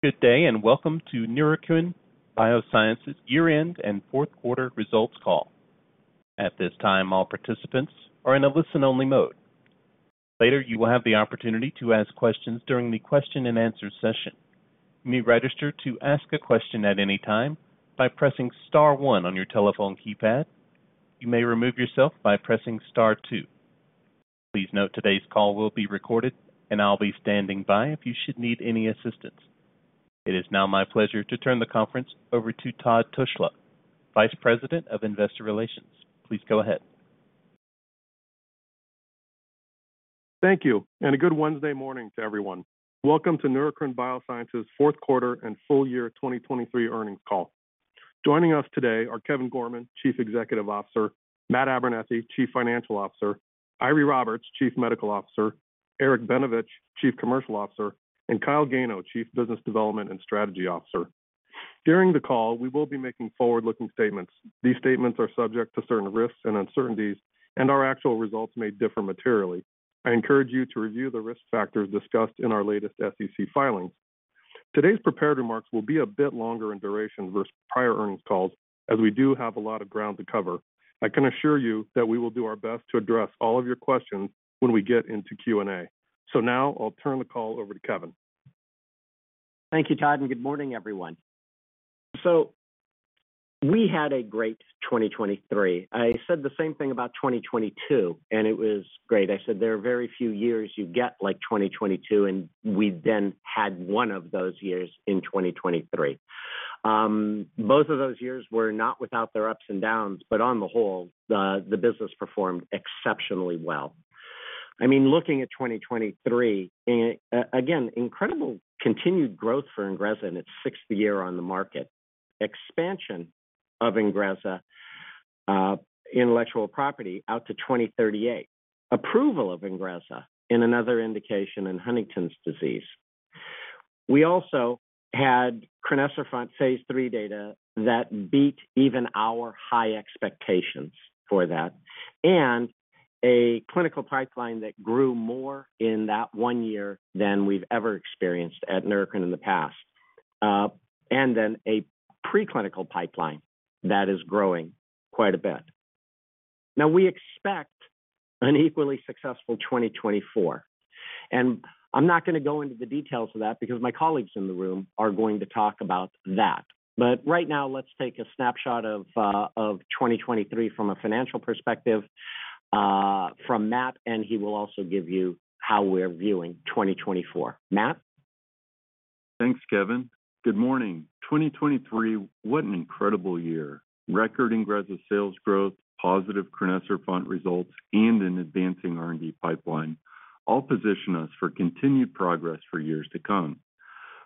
Good day, and welcome to Neurocrine Biosciences' Year-End and Fourth Quarter Results Call. At this time, all participants are in a listen-only mode. Later, you will have the opportunity to ask questions during the question-and-answer session. You may register to ask a question at any time by pressing star one on your telephone keypad. You may remove yourself by pressing star two. Please note, today's call will be recorded, and I'll be standing by if you should need any assistance. It is now my pleasure to turn the conference over to Todd Tushla, Vice President of Investor Relations. Please go ahead. Thank you, and a good Wednesday morning to everyone. Welcome to Neurocrine Biosciences' Fourth Quarter and Full Year 2023 Earnings Call. Joining us today are Kevin Gorman, Chief Executive Officer, Matt Abernethy, Chief Financial Officer, Eiry Roberts, Chief Medical Officer, Eric Benevich, Chief Commercial Officer, and Kyle Gano, Chief Business Development and Strategy Officer. During the call, we will be making forward-looking statements. These statements are subject to certain risks and uncertainties, and our actual results may differ materially. I encourage you to review the risk factors discussed in our latest SEC filings. Today's prepared remarks will be a bit longer in duration versus prior earnings calls, as we do have a lot of ground to cover. I can assure you that we will do our best to address all of your questions when we get into Q&A. Now I'll turn the call over to Kevin. Thank you, Todd, and good morning, everyone. We had a great 2023. I said the same thing about 2022, and it was great. I said, "There are very few years you get like 2022," and we then had one of those years in 2023. Both of those years were not without their ups and downs, but on the whole, the business performed exceptionally well. I mean, looking at 2023, again, incredible continued growth for INGREZZA in its sixth year on the market. Expansion of INGREZZA intellectual property out to 2038. Approval of INGREZZA in another indication in Huntington's disease. We also had crinecerfont phase III data that beat even our high expectations for that, and a clinical pipeline that grew more in that one year than we've ever experienced at Neurocrine in the past. And then a preclinical pipeline that is growing quite a bit. Now, we expect an equally successful 2024, and I'm not going to go into the details of that because my colleagues in the room are going to talk about that. But right now, let's take a snapshot of 2023 from a financial perspective, from Matt, and he will also give you how we're viewing 2024. Matt? Thanks, Kevin. Good morning. 2023, what an incredible year! Record INGREZZA sales growth, positive crinecerfont results, and an advancing R&D pipeline all position us for continued progress for years to come.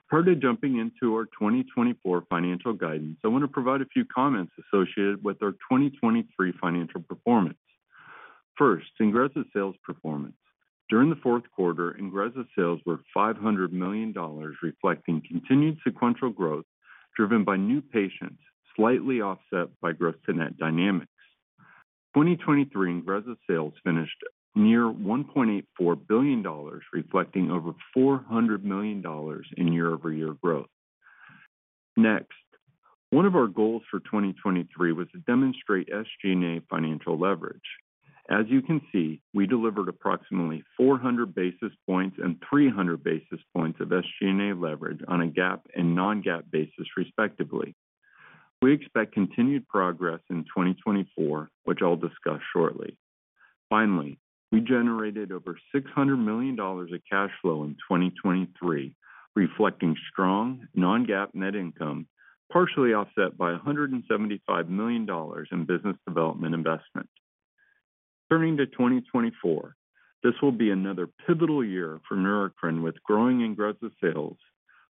Prior to jumping into our 2024 financial guidance, I want to provide a few comments associated with our 2023 financial performance. First, INGREZZA sales performance. During the fourth quarter, INGREZZA sales were $500 million, reflecting continued sequential growth driven by new patients, slightly offset by gross-to-net dynamics. 2023 INGREZZA sales finished near $1.84 billion, reflecting over $400 million in year-over-year growth. Next, one of our goals for 2023 was to demonstrate SG&A financial leverage. As you can see, we delivered approximately 400 basis points and 300 basis points of SG&A leverage on a GAAP and non-GAAP basis, respectively. We expect continued progress in 2024, which I'll discuss shortly. Finally, we generated over $600 million of cash flow in 2023, reflecting strong non-GAAP net income, partially offset by $175 million in business development investments. Turning to 2024, this will be another pivotal year for Neurocrine, with growing INGREZZA sales,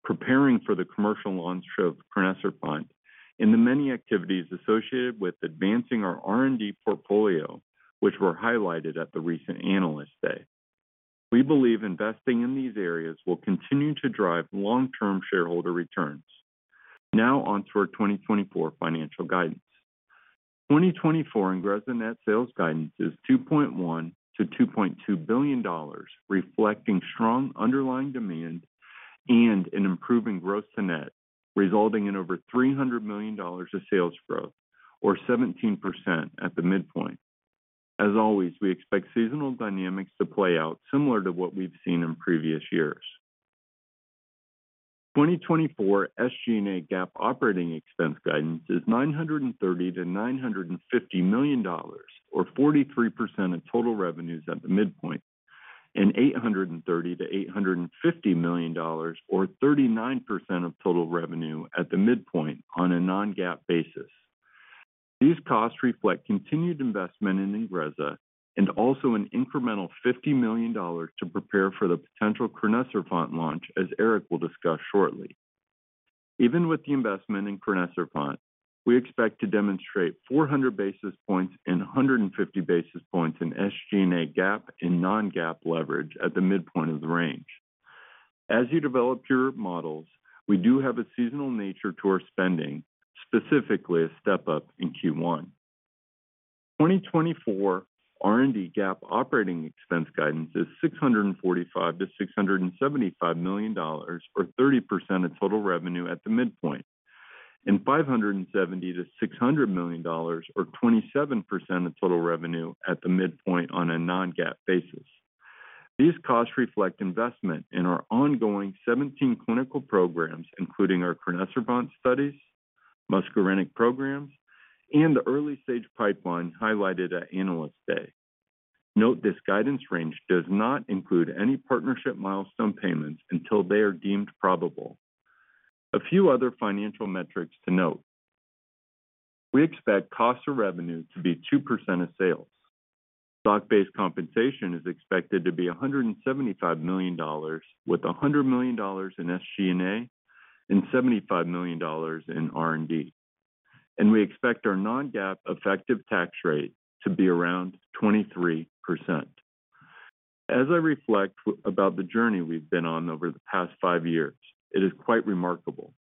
preparing for the commercial launch of crinecerfont, and the many activities associated with advancing our R&D portfolio, which were highlighted at the recent Analyst Day. We believe investing in these areas will continue to drive long-term shareholder returns. Now on to our 2024 financial guidance. 2024 INGREZZA net sales guidance is $2.1 billion-$2.2 billion, reflecting strong underlying demand and an improving gross-to-net, resulting in over $300 million of sales growth, or 17% at the midpoint. As always, we expect seasonal dynamics to play out similar to what we've seen in previous years. 2024 SG&A GAAP operating expense guidance is $930 million-$950 million, or 43% of total revenues at the midpoint, and $830 million-$850 million, or 39% of total revenue at the midpoint on a non-GAAP basis. These costs reflect continued investment in INGREZZA and also an incremental $50 million to prepare for the potential crinecerfont launch, as Eric will discuss shortly. Even with the investment in crinecerfont, we expect to demonstrate 400 basis points and 150 basis points in SG&A GAAP and non-GAAP leverage at the midpoint of the range. As you develop your models, we do have a seasonal nature to our spending, specifically a step-up in Q1. 2024 R&D GAAP operating expense guidance is $645 million-$675 million, or 30% of total revenue at the midpoint, and $570 million-$600 million, or 27% of total revenue at the midpoint on a non-GAAP basis. These costs reflect investment in our ongoing 17 clinical programs, including our crinecerfont studies, muscarinic programs, and the early-stage pipeline highlighted at Analyst Day. Note, this guidance range does not include any partnership milestone payments until they are deemed probable. A few other financial metrics to note. We expect cost of revenue to be 2% of sales. Stock-based compensation is expected to be $175 million, with $100 million in SG&A and $75 million in R&D. We expect our non-GAAP effective tax rate to be around 23%. As I reflect about the journey we've been on over the past five years, it is quite remarkable.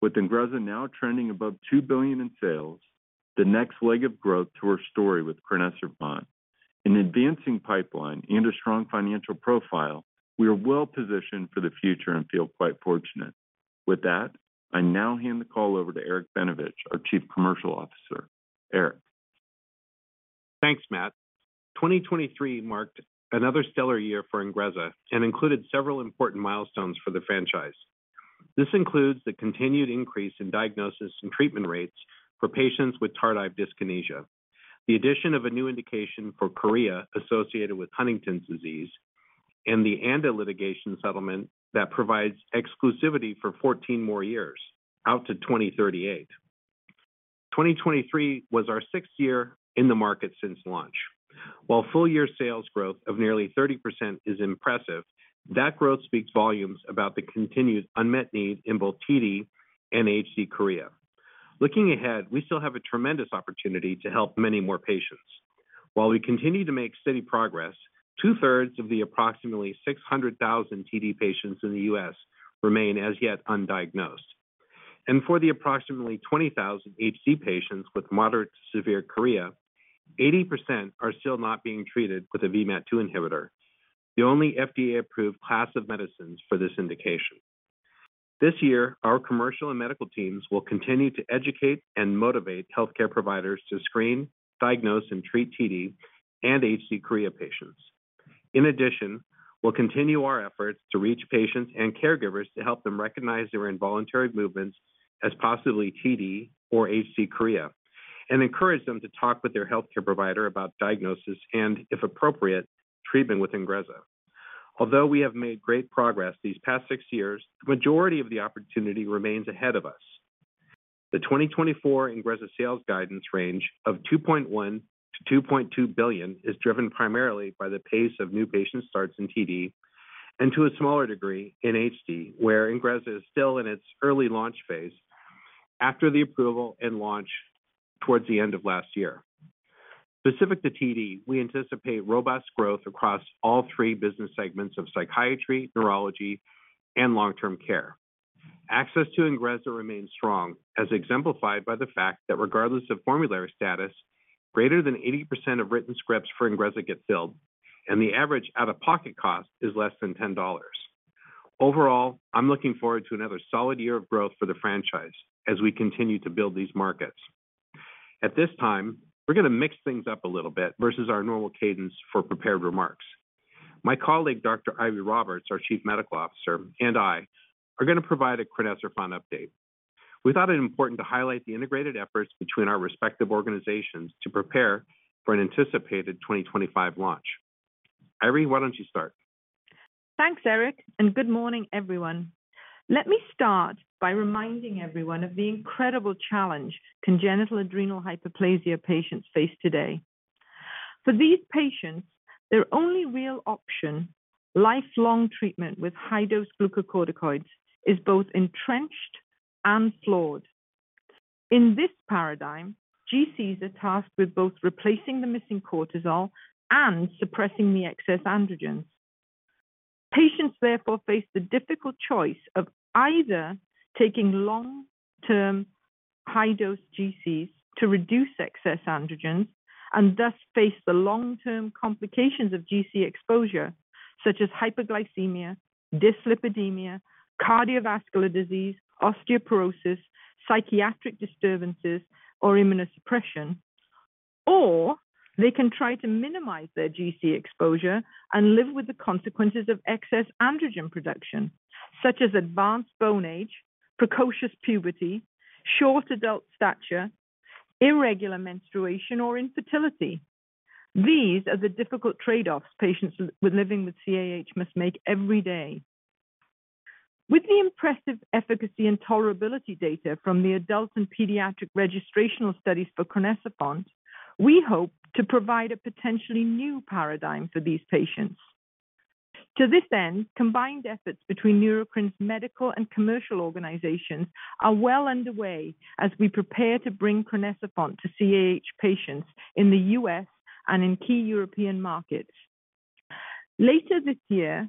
With INGREZZA now trending above $2 billion in sales, the next leg of growth to our story with crinecerfont, an advancing pipeline, and a strong financial profile, we are well positioned for the future and feel quite fortunate. With that, I now hand the call over to Eric Benevich, our Chief Commercial Officer. Eric? Thanks, Matt. 2023 marked another stellar year for INGREZZA and included several important milestones for the franchise. This includes the continued increase in diagnosis and treatment rates for patients with tardive dyskinesia, the addition of a new indication for chorea associated with Huntington's disease, and the ANDA litigation settlement that provides exclusivity for 14 more years, out to 2038. 2023 was our sixth year in the market since launch. While full year sales growth of nearly 30% is impressive, that growth speaks volumes about the continued unmet need in both TD and HD chorea. Looking ahead, we still have a tremendous opportunity to help many more patients. While we continue to make steady progress, two-thirds of the approximately 600,000 TD patients in the U.S. remain as yet undiagnosed. For the approximately 20,000 HD patients with moderate to severe chorea, 80% are still not being treated with a VMAT2 inhibitor, the only FDA-approved class of medicines for this indication. This year, our commercial and medical teams will continue to educate and motivate healthcare providers to screen, diagnose, and treat TD and HD chorea patients. In addition, we'll continue our efforts to reach patients and caregivers to help them recognize their involuntary movements as possibly TD or HD chorea and encourage them to talk with their healthcare provider about diagnosis and, if appropriate, treatment with INGREZZA. Although we have made great progress these past six years, the majority of the opportunity remains ahead of us. The 2024 INGREZZA sales guidance range of $2.1 billion-$2.2 billion is driven primarily by the pace of new patient starts in TD and, to a smaller degree, in HD, where INGREZZA is still in its early launch phase after the approval and launch towards the end of last year. Specific to TD, we anticipate robust growth across all three business segments of psychiatry, neurology, and long-term care. Access to INGREZZA remains strong, as exemplified by the fact that regardless of formulary status, greater than 80% of written scripts for INGREZZA get filled, and the average out-of-pocket cost is less than $10. Overall, I'm looking forward to another solid year of growth for the franchise as we continue to build these markets. At this time, we're going to mix things up a little bit versus our normal cadence for prepared remarks. My colleague, Dr. Eiry Roberts, our Chief Medical Officer, and I are going to provide a crinecerfont update. We thought it important to highlight the integrated efforts between our respective organizations to prepare for an anticipated 2025 launch. Eiry, why don't you start? Thanks, Eric, and good morning, everyone. Let me start by reminding everyone of the incredible challenge congenital adrenal hyperplasia patients face today. For these patients, their only real option, lifelong treatment with high-dose glucocorticoids, is both entrenched and flawed. In this paradigm, GCs are tasked with both replacing the missing cortisol and suppressing the excess androgens. Patients therefore face the difficult choice of either taking long-term high-dose GCs to reduce excess androgens and thus face the long-term complications of GC exposure, such as hyperglycemia, dyslipidemia, cardiovascular disease, osteoporosis, psychiatric disturbances, or immunosuppression. Or they can try to minimize their GC exposure and live with the consequences of excess androgen production, such as advanced bone age, precocious puberty, short adult stature, irregular menstruation, or infertility. These are the difficult trade-offs patients living with CAH must make every day. With the impressive efficacy and tolerability data from the adult and pediatric registrational studies for crinecerfont, we hope to provide a potentially new paradigm for these patients. To this end, combined efforts between Neurocrine's medical and commercial organizations are well underway as we prepare to bring crinecerfont to CAH patients in the U.S. and in key European markets. Later this year,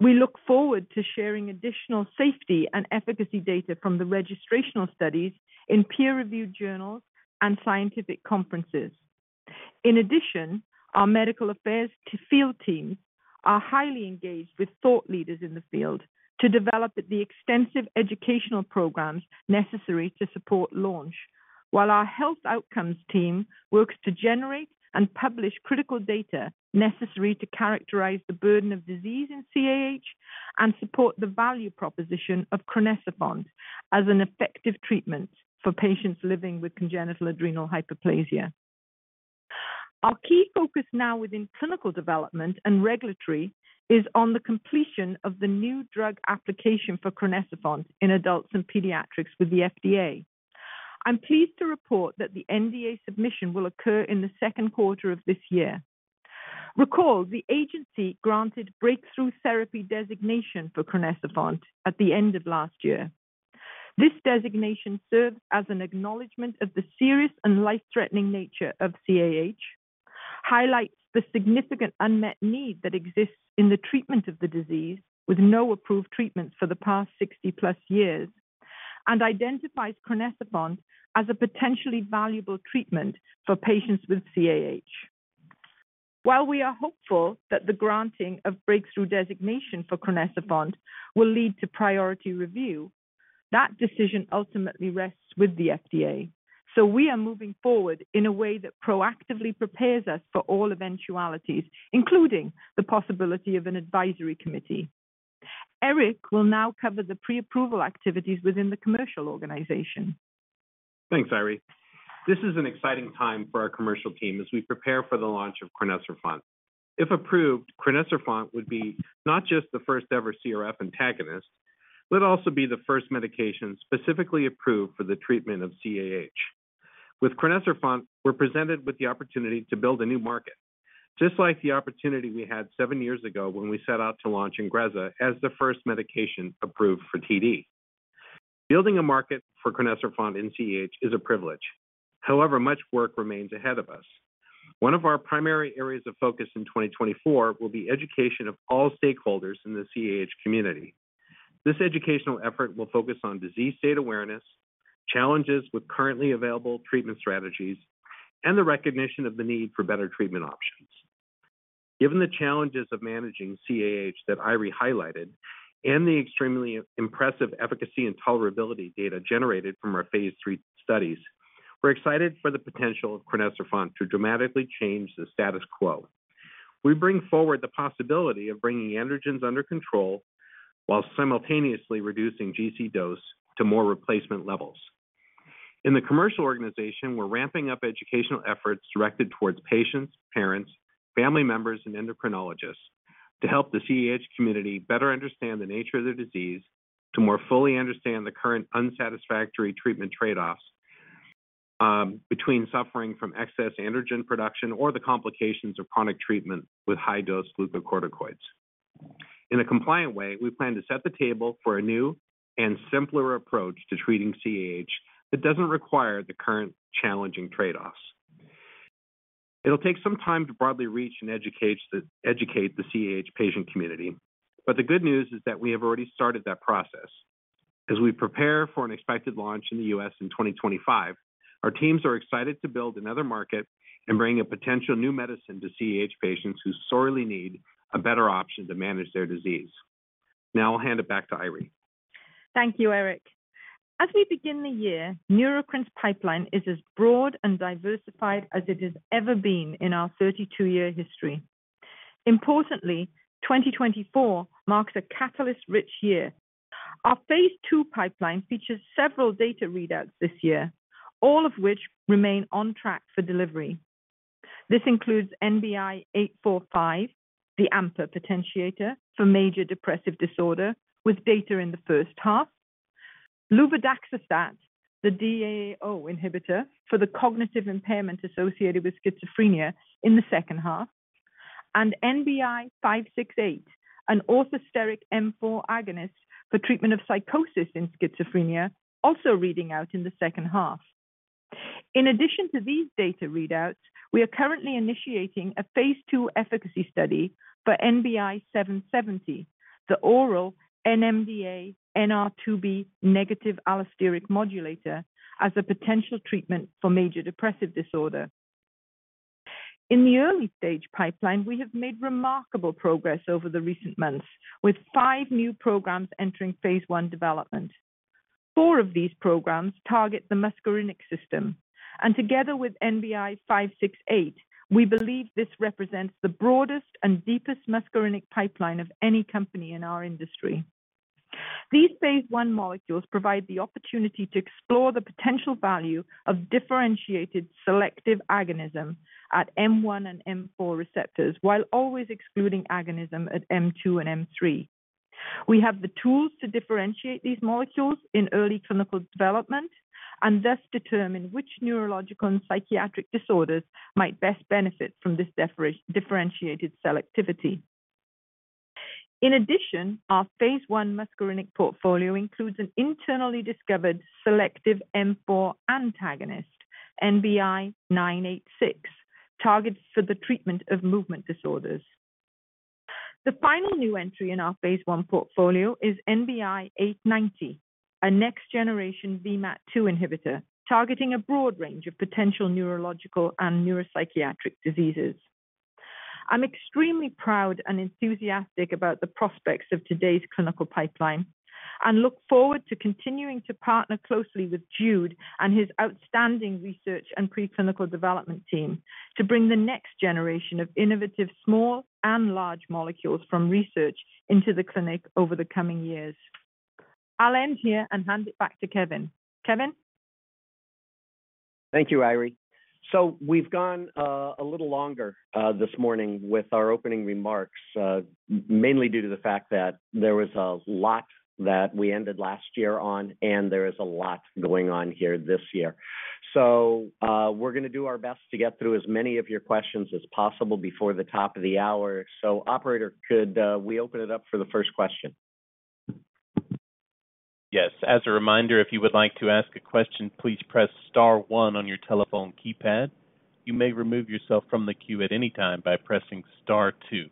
we look forward to sharing additional safety and efficacy data from the registrational studies in peer-reviewed journals and scientific conferences. In addition, our medical affairs field teams are highly engaged with thought leaders in the field to develop the extensive educational programs necessary to support launch. While our health outcomes team works to generate and publish critical data necessary to characterize the burden of disease in CAH and support the value proposition of crinecerfont as an effective treatment for patients living with congenital adrenal hyperplasia. Our key focus now within clinical development and regulatory is on the completion of the new drug application for crinecerfont in adults and pediatrics with the FDA. I'm pleased to report that the NDA submission will occur in the second quarter of this year. Recall, the agency granted breakthrough therapy designation for crinecerfont at the end of last year. This designation serves as an acknowledgment of the serious and life-threatening nature of CAH, highlights the significant unmet need that exists in the treatment of the disease, with no approved treatments for the past 60+ years, and identifies crinecerfont as a potentially valuable treatment for patients with CAH. While we are hopeful that the granting of breakthrough designation for crinecerfont will lead to priority review, that decision ultimately rests with the FDA. So we are moving forward in a way that proactively prepares us for all eventualities, including the possibility of an advisory committee. Eric will now cover the pre-approval activities within the commercial organization. Thanks, Eiry. This is an exciting time for our commercial team as we prepare for the launch of crinecerfont. If approved, crinecerfont would be not just the first-ever CRF antagonist, but also be the first medication specifically approved for the treatment of CAH. With crinecerfont, we're presented with the opportunity to build a new market, just like the opportunity we had seven years ago when we set out to launch INGREZZA as the first medication approved for TD. Building a market for crinecerfont in CAH is a privilege. However, much work remains ahead of us. One of our primary areas of focus in 2024 will be education of all stakeholders in the CAH community. This educational effort will focus on disease state awareness, challenges with currently available treatment strategies, and the recognition of the need for better treatment options. Given the challenges of managing CAH that Eiry highlighted and the extremely impressive efficacy and tolerability data generated from our phase III studies, we're excited for the potential of crinecerfont to dramatically change the status quo. We bring forward the possibility of bringing androgens under control while simultaneously reducing GC dose to more replacement levels. In the commercial organization, we're ramping up educational efforts directed towards patients, parents, family members, and endocrinologists to help the CAH community better understand the nature of the disease, to more fully understand the current unsatisfactory treatment trade-offs, between suffering from excess androgen production or the complications of chronic treatment with high-dose glucocorticoids. In a compliant way, we plan to set the table for a new and simpler approach to treating CAH that doesn't require the current challenging trade-offs. It'll take some time to broadly reach and educate the CAH patient community, but the good news is that we have already started that process. As we prepare for an expected launch in the U.S. in 2025, our teams are excited to build another market and bring a potential new medicine to CAH patients who sorely need a better option to manage their disease. Now I'll hand it back to Eiry. Thank you, Eric. As we begin the year, Neurocrine's pipeline is as broad and diversified as it has ever been in our 32-year history. Importantly, 2024 marks a catalyst-rich year. Our phase II pipeline features several data readouts this year, all of which remain on track for delivery. This includes NBI-'845, the AMPA potentiator for major depressive disorder, with data in the first half. Luvadaxistat, the DAAO inhibitor for the cognitive impairment associated with schizophrenia in the second half, and NBI-'568, an orthosteric M4 agonist for treatment of psychosis in schizophrenia, also reading out in the second half. In addition to these data readouts, we are currently initiating a phase II efficacy study for NBI-'770, the oral NMDA NR2B negative allosteric modulator, as a potential treatment for major depressive disorder. In the early-stage pipeline, we have made remarkable progress over the recent months, with five new programs entering phase one development. four of these programs target the muscarinic system, and together with NBI-'568, we believe this represents the broadest and deepest muscarinic pipeline of any company in our industry. These phase I molecules provide the opportunity to explore the potential value of differentiated selective agonism at M1 and M4 receptors, while always excluding agonism at M2 and M3. We have the tools to differentiate these molecules in early clinical development and thus determine which neurological and psychiatric disorders might best benefit from this differentiated selectivity. In addition, our phase I muscarinic portfolio includes an internally discovered selective M4 antagonist, NBI-'986, targets for the treatment of movement disorders. The final new entry in our phase I portfolio is NBI-'890, a next-generation VMAT2 inhibitor, targeting a broad range of potential neurological and neuropsychiatric diseases. I'm extremely proud and enthusiastic about the prospects of today's clinical pipeline and look forward to continuing to partner closely with Jude and his outstanding research and preclinical development team to bring the next generation of innovative small and large molecules from research into the clinic over the coming years. I'll end here and hand it back to Kevin. Kevin? Thank you, Eiry. So we've gone a little longer this morning with our opening remarks, mainly due to the fact that there was a lot that we ended last year on, and there is a lot going on here this year. So, we're going to do our best to get through as many of your questions as possible before the top of the hour. So Operator, could we open it up for the first question? Yes. As a reminder, if you would like to ask a question, please press star one on your telephone keypad. You may remove yourself from the queue at any time by pressing star two.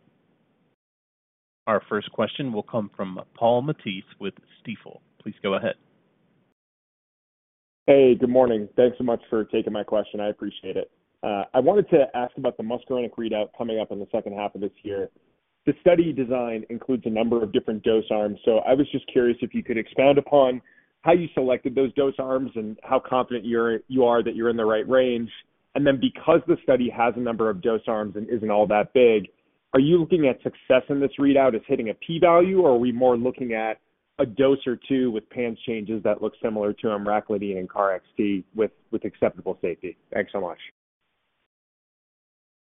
Our first question will come from Paul Matteis with Stifel. Please go ahead. Hey, good morning. Thanks so much for taking my question. I appreciate it. I wanted to ask about the muscarinic readout coming up in the second half of this year. The study design includes a number of different dose arms, so I was just curious if you could expand upon how you selected those dose arms and how confident you're, you are that you're in the right range. And then because the study has a number of dose arms and isn't all that big, are you looking at success in this readout as hitting a p-value, or are we more looking at a dose or two with PANSS changes that look similar to emraclidine and KarXT with, with acceptable safety? Thanks so much.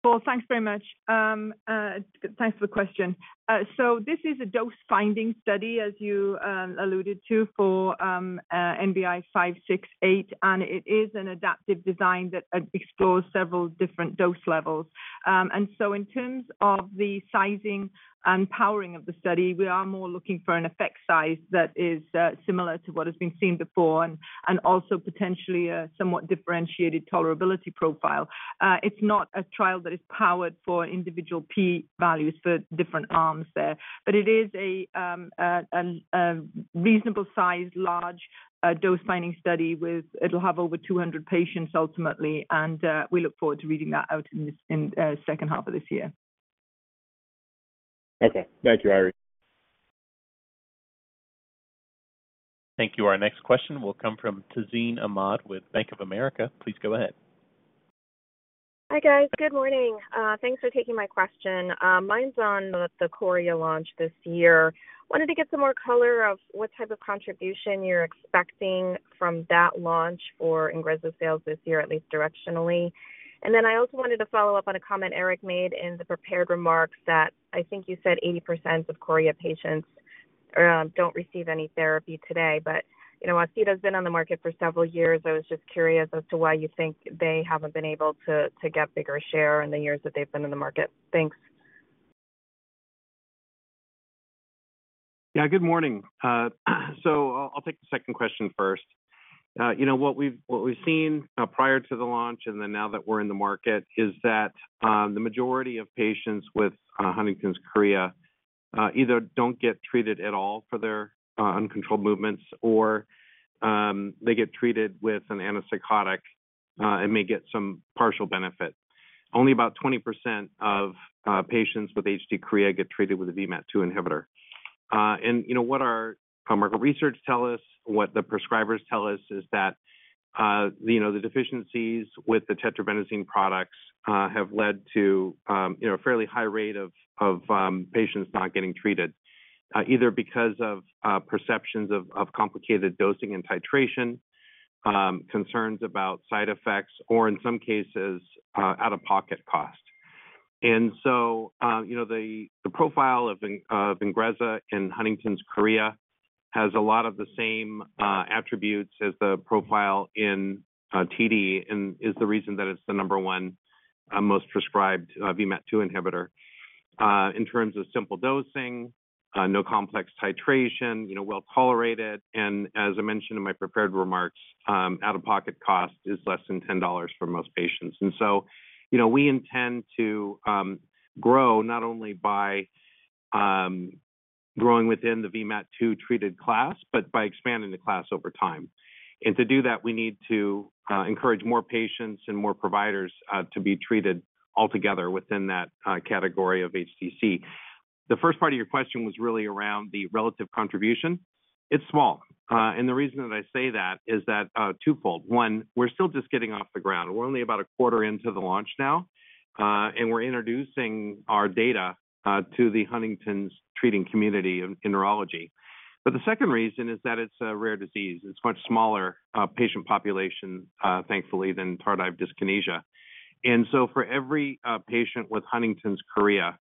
Paul, thanks very much. Thanks for the question. So this is a dose-finding study, as you alluded to, for NBI-'568, and it is an adaptive design that explores several different dose levels. And so in terms of the sizing and powering of the study, we are more looking for an effect size that is similar to what has been seen before and also potentially a somewhat differentiated tolerability profile. It's not a trial that is powered for individual p-values for different arms there, but it is a reasonable-sized, large dose-finding study with, it'll have over 200 patients ultimately, and we look forward to reading that out in this second half of this year. Okay. Thank you, Eiry. Thank you. Our next question will come from Tazeen Ahmad with Bank of America. Please go ahead. Hi, guys. Good morning. Thanks for taking my question. Mine's on the chorea launch this year. Wanted to get some more color of what type of contribution you're expecting from that launch for INGREZZA sales this year, at least directionally. And then I also wanted to follow up on a comment Eric made in the prepared remarks that I think you said 80% of chorea patients don't receive any therapy today. But, you know, Austedo's been on the market for several years. I was just curious as to why you think they haven't been able to get bigger share in the years that they've been in the market. Thanks. Yeah, good morning. So I'll take the second question first. You know, what we've seen prior to the launch and then now that we're in the market is that the majority of patients with Huntington's chorea either don't get treated at all for their uncontrolled movements or they get treated with an antipsychotic and may get some partial benefit. Only about 20% of patients with HD chorea get treated with a VMAT2 inhibitor. And, you know, what our commercial research tell us, what the prescribers tell us is that, you know, the deficiencies with the tetrabenazine products have led to, you know, a fairly high rate of patients not getting treated, either because of perceptions of complicated dosing and titration, concerns about side effects, or in some cases, out-of-pocket cost. And so, you know, the profile of INGREZZA in Huntington's chorea has a lot of the same attributes as the profile in TD and is the reason that it's the number one most prescribed VMAT2 inhibitor. In terms of simple dosing, no complex titration, you know, well-tolerated, and as I mentioned in my prepared remarks, out-of-pocket cost is less than $10 for most patients. And so, you know, we intend to grow not only by growing within the VMAT2-treated class, but by expanding the class over time. And to do that, we need to encourage more patients and more providers to be treated altogether within that category of HDC. The first part of your question was really around the relative contribution. It's small. And the reason that I say that is that twofold. One, we're still just getting off the ground. We're only about a quarter into the launch now, and we're introducing our data to the Huntington's treating community in neurology. But the second reason is that it's a rare disease. It's a much smaller patient population, thankfully, than tardive dyskinesia. For every patient with Huntington's chorea,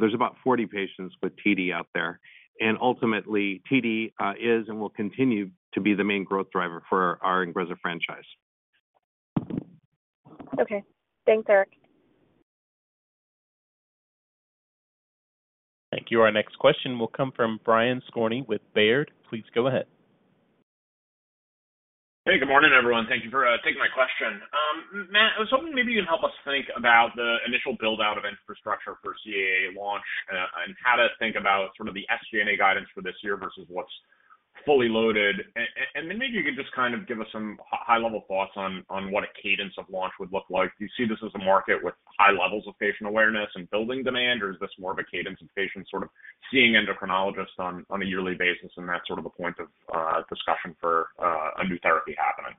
there's about 40 patients with TD out there, and ultimately, TD is and will continue to be the main growth driver for our INGREZZA franchise. Okay. Thanks, Eric. Thank you. Our next question will come from Brian Skorney with Baird. Please go ahead. Hey, good morning, everyone. Thank you for taking my question. Matt, I was hoping maybe you can help us think about the initial build-out of infrastructure for CAH launch, and how to think about sort of the SG&A guidance for this year versus what's fully loaded. And then maybe you could just kind of give us some high-level thoughts on what a cadence of launch would look like. Do you see this as a market with high levels of patient awareness and building demand, or is this more of a cadence of patients sort of seeing endocrinologists on a yearly basis, and that's sort of a point of discussion for a new therapy happening?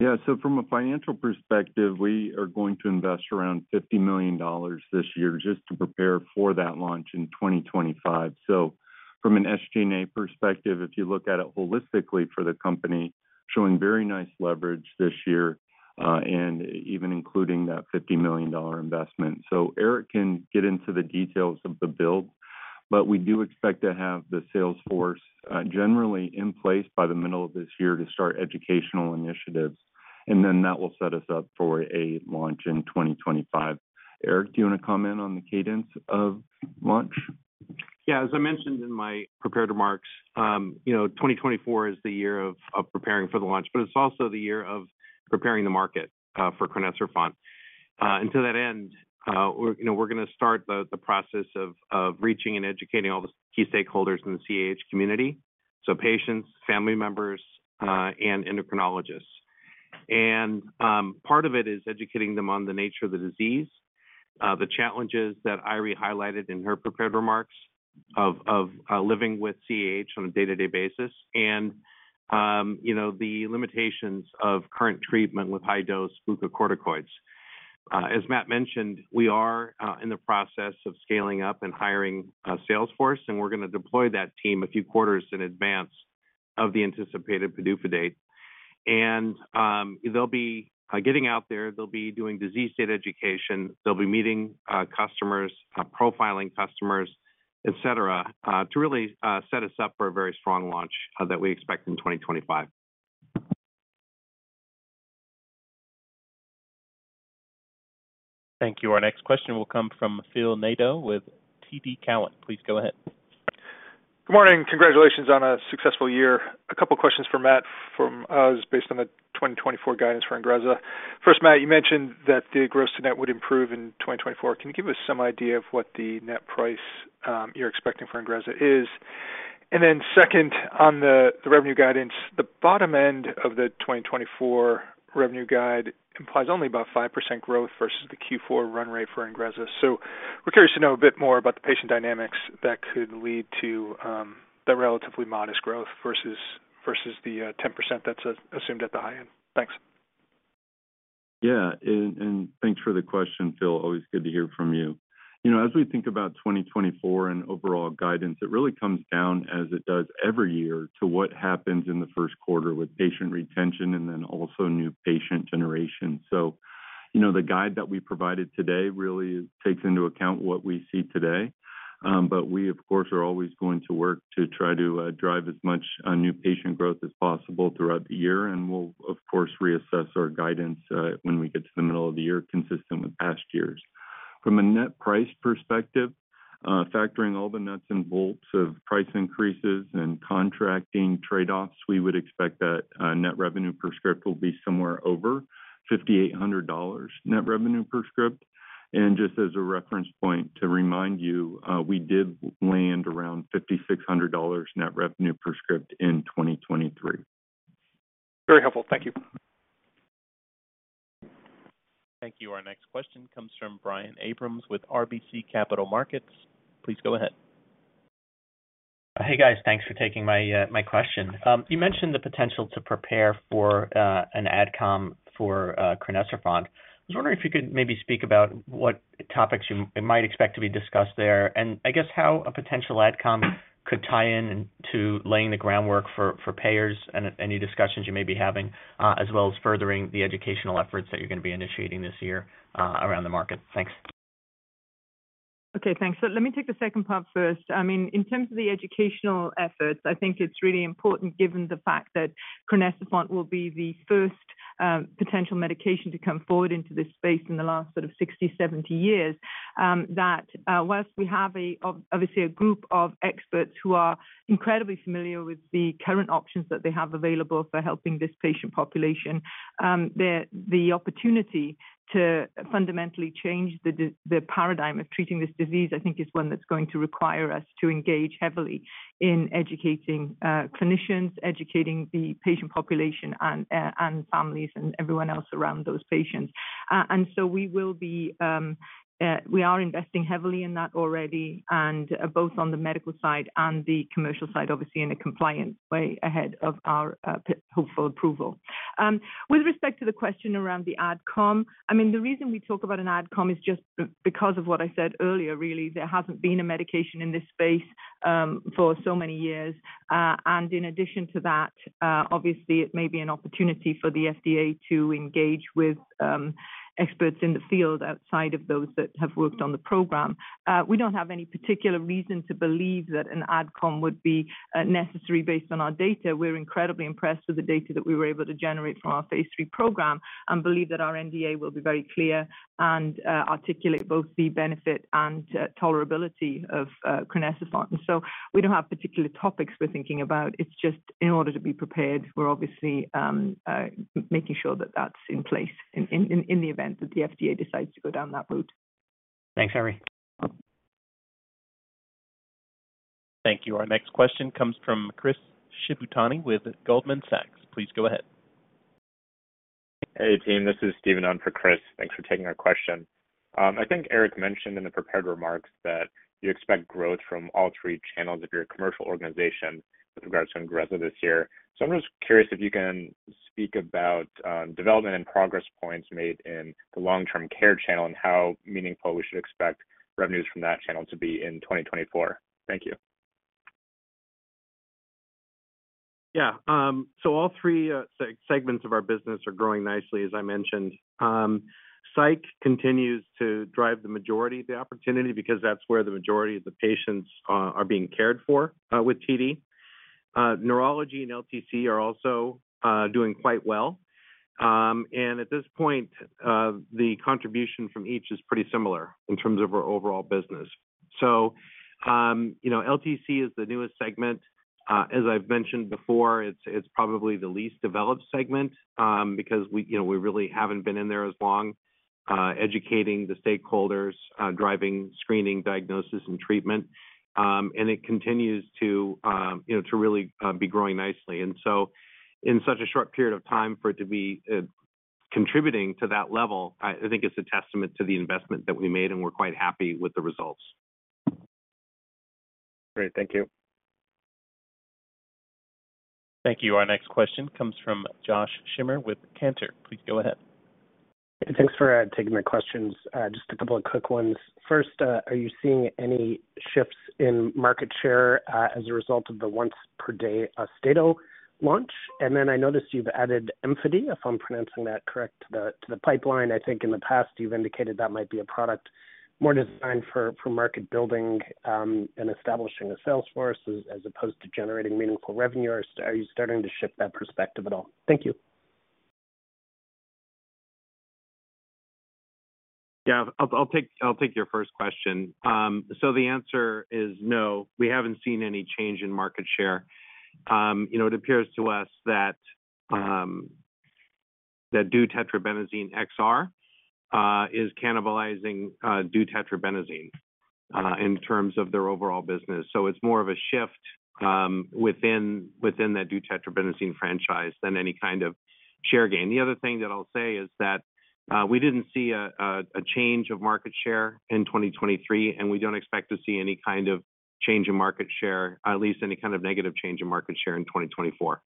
Yeah. So from a financial perspective, we are going to invest around $50 million this year just to prepare for that launch in 2025. So from an SG&A perspective, if you look at it holistically for the company, showing very nice leverage this year, and even including that $50 million investment. So Eric can get into the details of the build, but we do expect to have the sales force, generally in place by the middle of this year to start educational initiatives, and then that will set us up for a launch in 2025. Eric, do you want to comment on the cadence of launch? Yeah. As I mentioned in my prepared remarks, you know, 2024 is the year of preparing for the launch, but it's also the year of preparing the market for crinecerfont. And to that end, we're, you know, we're gonna start the process of reaching and educating all the key stakeholders in the CAH community, so patients, family members, and endocrinologists. And part of it is educating them on the nature of the disease, the challenges that Eiry highlighted in her prepared remarks of living with CAH on a day-to-day basis and, you know, the limitations of current treatment with high-dose glucocorticoids. As Matt mentioned, we are in the process of scaling up and hiring a sales force, and we're gonna deploy that team a few quarters in advance of the anticipated PDUFA date. They'll be getting out there, they'll be doing disease state education, they'll be meeting customers, profiling customers, et cetera, to really set us up for a very strong launch that we expect in 2025. Thank you. Our next question will come from Phil Nadeau with TD Cowen. Please go ahead. Good morning. Congratulations on a successful year. A couple of questions for Matt from us, based on the 2024 guidance for INGREZZA. First, Matt, you mentioned that the gross-to-net would improve in 2024. Can you give us some idea of what the net price you're expecting for INGREZZA is? And then second, on the revenue guidance, the bottom end of the 2024 revenue guide implies only about 5% growth versus the Q4 run rate for INGREZZA. So we're curious to know a bit more about the patient dynamics that could lead to the relatively modest growth versus the 10% that's assumed at the high end. Thanks. Yeah, and thanks for the question, Phil. Always good to hear from you. You know, as we think about 2024 and overall guidance, it really comes down, as it does every year, to what happens in the first quarter with patient retention and then also new patient generation. So, you know, the guide that we provided today really takes into account what we see today, but we, of course, are always going to work to try to drive as much new patient growth as possible throughout the year. And we'll, of course, reassess our guidance, when we get to the middle of the year, consistent with past years. From a net price perspective, factoring all the nuts and bolts of price increases and contracting trade-offs, we would expect that, net revenue per script will be somewhere over $5,800 net revenue per script. Just as a reference point to remind you, we did land around $5,600 net revenue per script in 2023. Very helpful. Thank you. Thank you. Our next question comes from Brian Abrahams with RBC Capital Markets. Please go ahead. Hey, guys. Thanks for taking my, my question. You mentioned the potential to prepare for, an ad com for, crinecerfont. I was wondering if you could maybe speak about what topics you might expect to be discussed there, and I guess how a potential ad com could tie in to laying the groundwork for payers and any discussions you may be having, as well as furthering the educational efforts that you're going to be initiating this year, around the market. Thanks. Okay, thanks. So let me take the second part first. I mean, in terms of the educational efforts, I think it's really important, given the fact that crinecerfont will be the first potential medication to come forward into this space in the last sort of 60, 70 years, that while we have obviously a group of experts who are incredibly familiar with the current options that they have available for helping this patient population, the opportunity to fundamentally change the paradigm of treating this disease, I think, is one that's going to require us to engage heavily in educating clinicians, educating the patient population and families and everyone else around those patients. And so we will be, we are investing heavily in that already and both on the medical side and the commercial side, obviously in a compliant way ahead of our hopeful approval. With respect to the question around the ad com, I mean, the reason we talk about an ad com is just because of what I said earlier really, there hasn't been a medication in this space for so many years. And in addition to that, obviously, it may be an opportunity for the FDA to engage with experts in the field outside of those that have worked on the program. We don't have any particular reason to believe that an ad com would be necessary based on our data. We're incredibly impressed with the data that we were able to generate from our phase III program and believe that our NDA will be very clear and articulate both the benefit and tolerability of crinecerfont. So we don't have particular topics we're thinking about. It's just in order to be prepared, we're obviously making sure that that's in place in the event that the FDA decides to go down that route. Thanks, Eiry. Thank you. Our next question comes from Chris Shibutani with Goldman Sachs. Please go ahead. Hey, team, this is Steven on for Chris. Thanks for taking our question. I think Eric mentioned in the prepared remarks that you expect growth from all three channels of your commercial organization with regards to INGREZZA this year. So I'm just curious if you can speak about, development and progress points made in the long-term care channel and how meaningful we should expect revenues from that channel to be in 2024. Thank you. Yeah, so all three segments of our business are growing nicely, as I mentioned. Psych continues to drive the majority of the opportunity because that's where the majority of the patients are being cared for with TD. Neurology and LTC are also doing quite well. And at this point, the contribution from each is pretty similar in terms of our overall business. So, you know, LTC is the newest segment. As I've mentioned before, it's probably the least developed segment because we, you know, we really haven't been in there as long, educating the stakeholders, driving, screening, diagnosis, and treatment. And it continues to, you know, to really be growing nicely. And so in such a short period of time for it to be contributing to that level, I think it's a testament to the investment that we made, and we're quite happy with the results. Great. Thank you. Thank you. Our next question comes from Josh Schimmer with Cantor. Please go ahead. Thanks for taking my questions. Just a couple of quick ones. First, are you seeing any shifts in market share as a result of the once per day Austedo launch? And then I noticed you've added Efmody, if I'm pronouncing that correct, to the pipeline. I think in the past, you've indicated that might be a product more designed for market building and establishing a sales force as opposed to generating meaningful revenue. Are you starting to shift that perspective at all? Thank you. Yeah, I'll take your first question. So the answer is no, we haven't seen any change in market share. You know, it appears to us that deutetrabenazine XR is cannibalizing deutetrabenazine in terms of their overall business. So it's more of a shift within that deutetrabenazine franchise than any kind of share gain. The other thing that I'll say is that we didn't see a change of market share in 2023, and we don't expect to see any kind of change in market share, at least any kind of negative change in market share in 2024.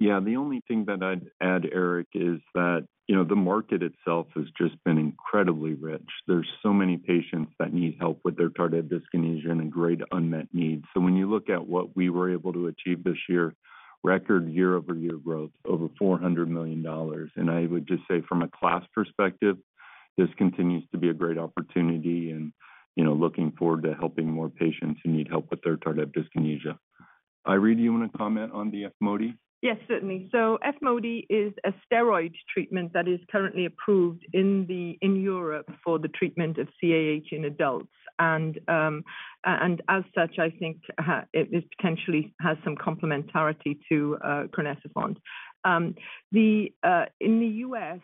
Yeah, the only thing that I'd add, Eric, is that, you know, the market itself has just been incredibly rich. There's so many patients that need help with their tardive dyskinesia and a great unmet need. So when you look at what we were able to achieve this year, record year-over-year growth, over $400 million. And I would just say from a class perspective, this continues to be a great opportunity and, you know, looking forward to helping more patients who need help with their tardive dyskinesia. Eiry, do you want to comment on the Efmody? Yes, certainly. So Efmody is a steroid treatment that is currently approved in Europe for the treatment of CAH in adults. And, as such, I think, it potentially has some complementarity to crinecerfont. In the U.S,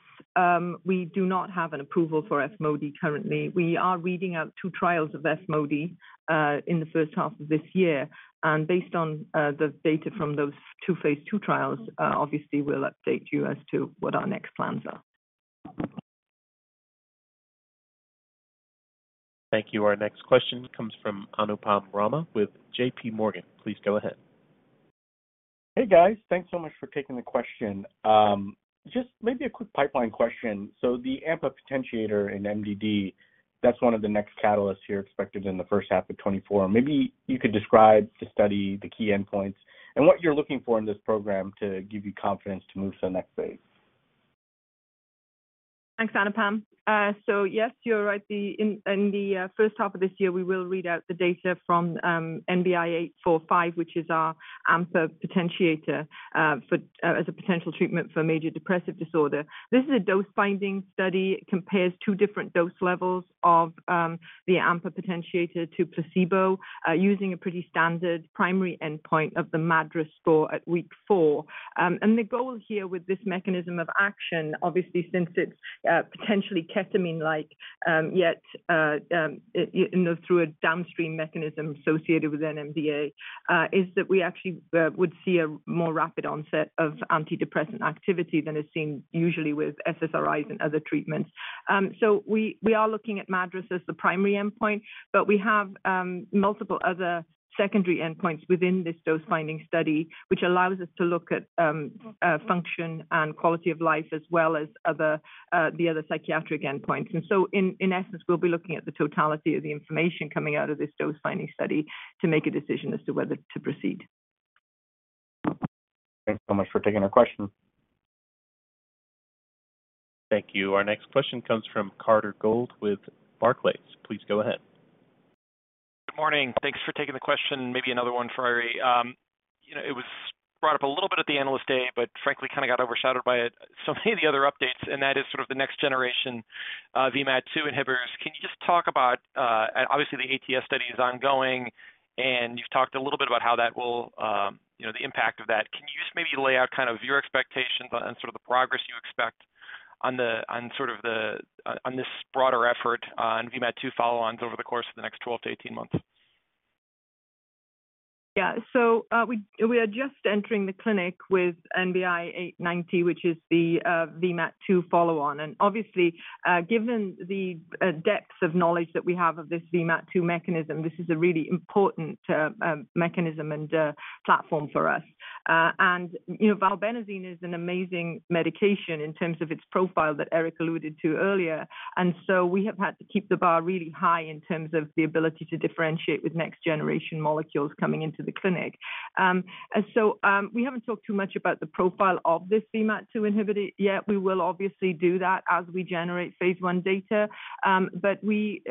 we do not have an approval for Efmody currently. We are reading out two trials of Efmody in the first half of this year, and based on the data from those two phase II trials, obviously, we'll update you as to what our next plans are. Thank you. Our next question comes from Anupam Rama with JPMorgan. Please go ahead. Hey, guys. Thanks so much for taking the question. Just maybe a quick pipeline question. So the AMPA potentiator in MDD, that's one of the next catalysts here expected in the first half of 2024. Maybe you could describe the study, the key endpoints, and what you're looking for in this program to give you confidence to move to the next phase. Thanks, Anupam. So yes, you're right. In the first half of this year, we will read out the data from NBI-'845, which is our AMPA potentiator for as a potential treatment for major depressive disorder. This is a dose-finding study. It compares two different dose levels of the AMPA potentiator to placebo using a pretty standard primary endpoint of the MADRS score at week four. And the goal here with this mechanism of action, obviously, since it's potentially ketamine-like, yet you know, through a downstream mechanism associated with NMDA, is that we actually would see a more rapid onset of antidepressant activity than is seen usually with SSRIs and other treatments. So we are looking at MADRS as the primary endpoint, but we have multiple other secondary endpoints within this dose-finding study, which allows us to look at function and quality of life, as well as the other psychiatric endpoints. So in essence, we'll be looking at the totality of the information coming out of this dose-finding study to make a decision as to whether to proceed. Thanks so much for taking our question. Thank you. Our next question comes from Carter Gould with Barclays. Please go ahead. Good morning. Thanks for taking the question. Maybe another one for Eiry. You know, it was brought up a little bit at the Analyst Day, but frankly, kind of got overshadowed by so many of the other updates, and that is sort of the next generation, VMAT2 inhibitors. Can you just talk about, and obviously, the ATS study is ongoing, and you've talked a little bit about how that will, you know, the impact of that. Can you just maybe lay out kind of your expectations and sort of the progress you expect on sort of this broader effort on VMAT2 follow-ons over the course of the next 12 months-18 months? Yeah. So, we are just entering the clinic with NBI-'890, which is the VMAT2 follow-on. And obviously, given the depth of knowledge that we have of this VMAT2 mechanism, this is a really important mechanism and platform for us. And, you know, valbenazine is an amazing medication in terms of its profile that Eric alluded to earlier. And so we have had to keep the bar really high in terms of the ability to differentiate with next-generation molecules coming into the clinic. And so, we haven't talked too much about the profile of this VMAT2 inhibitor yet. We will obviously do that as we generate phase I data. But we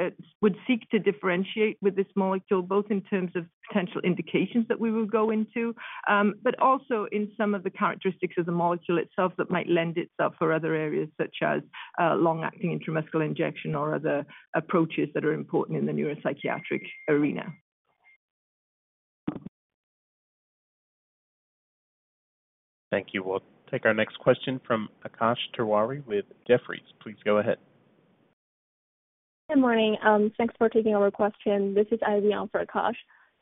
would seek to differentiate with this molecule, both in terms of potential indications that we will go into, but also in some of the characteristics of the molecule itself that might lend itself for other areas, such as long-acting intramuscular injection or other approaches that are important in the neuropsychiatric arena. Thank you. We'll take our next question from Akash Tewari with Jefferies. Please go ahead. Good morning. Thanks for taking our question. This is Ivy on for Akash.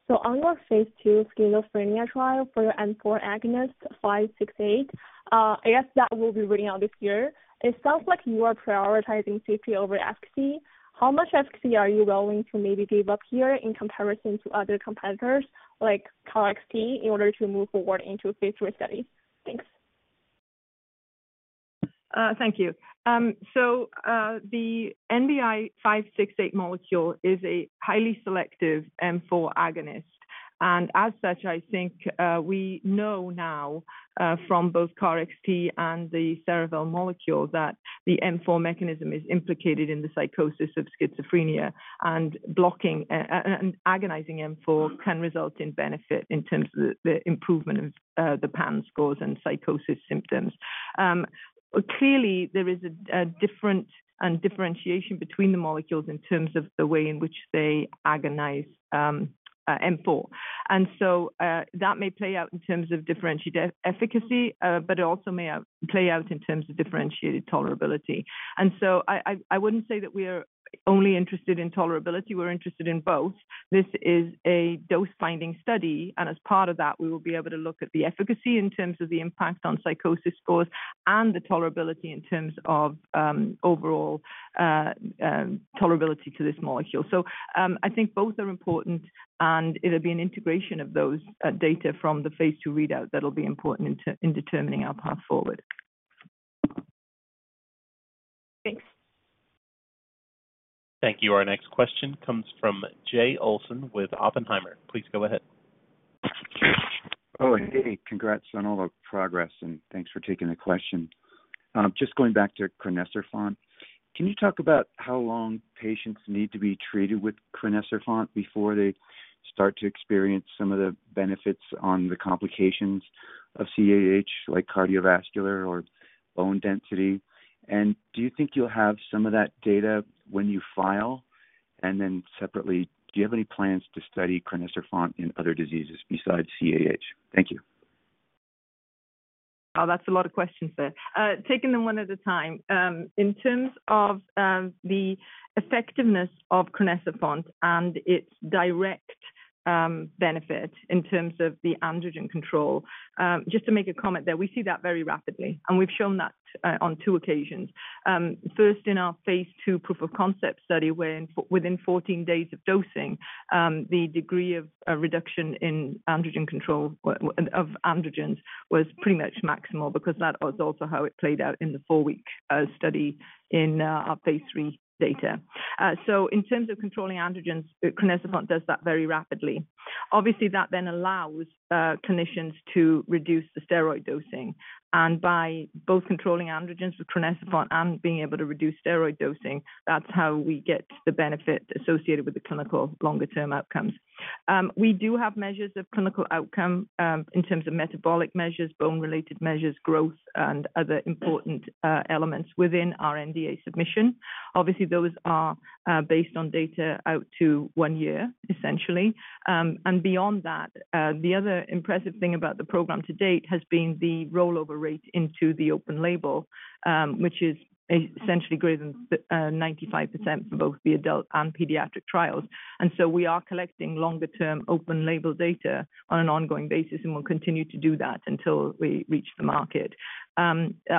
So on your phase II schizophrenia trial for your M4 agonist, NBI-'568, I guess that will be reading out this year. It sounds like you are prioritizing safety over efficacy. How much efficacy are you willing to maybe give up here in comparison to other competitors, like KarXT, in order to move forward into a phase III study? Thanks. Thank you. So, the NBI-'568 molecule is a highly selective M4 agonist. And as such, I think, we know now, from both KarXT and the Cerevel molecule, that the M4 mechanism is implicated in the psychosis of schizophrenia, and blocking, and agonizing M4 can result in benefit in terms of the, the improvement of, the PANSS scores and psychosis symptoms. Clearly, there is a, a different and differentiation between the molecules in terms of the way in which they agonize, M4. And so, that may play out in terms of differentiated efficacy, but it also may have play out in terms of differentiated tolerability. And so I, I, I wouldn't say that we are only interested in tolerability, we're interested in both. This is a dose-finding study, and as part of that, we will be able to look at the efficacy in terms of the impact on psychosis scores and the tolerability in terms of, overall, tolerability to this molecule. So, I think both are important, and it'll be an integration of those data from the phase II readout that'll be important in determining our path forward. Thanks. Thank you. Our next question comes from Jay Olson with Oppenheimer. Please go ahead. Oh, hey, congrats on all the progress, and thanks for taking the question. Just going back to crinecerfont. Can you talk about how long patients need to be treated with crinecerfont before they start to experience some of the benefits on the complications of CAH, like cardiovascular or bone density? And do you think you'll have some of that data when you file? And then separately, do you have any plans to study crinecerfont in other diseases besides CAH? Thank you. Oh, that's a lot of questions there. Taking them one at a time. In terms of the effectiveness of crinecerfont and its direct benefit in terms of the androgen control, just to make a comment there, we see that very rapidly, and we've shown that on two occasions. First, in our phase 2 proof of concept study, where within 14 days of dosing, the degree of reduction in androgen control, well, of androgens, was pretty much maximal because that was also how it played out in the four-week study in our phase III data. So in terms of controlling androgens, crinecerfont does that very rapidly. Obviously, that then allows clinicians to reduce the steroid dosing. And by both controlling androgens with crinecerfont and being able to reduce steroid dosing, that's how we get the benefit associated with the clinical longer-term outcomes. We do have measures of clinical outcome, in terms of metabolic measures, bone-related measures, growth, and other important elements within our NDA submission. Obviously, those are based on data out to one year, essentially. And beyond that, the other impressive thing about the program to date has been the rollover rate into the open label, which is essentially greater than 95% for both the adult and pediatric trials. And so we are collecting longer-term open-label data on an ongoing basis, and we'll continue to do that until we reach the market.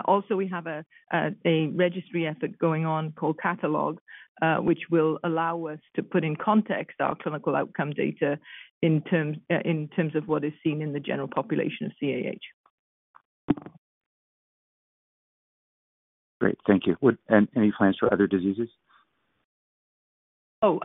Also, we have a registry effort going on called CAHtalog, which will allow us to put in context our clinical outcome data in terms of what is seen in the general population of CAH. Great. Thank you. Would, and any plans for other diseases?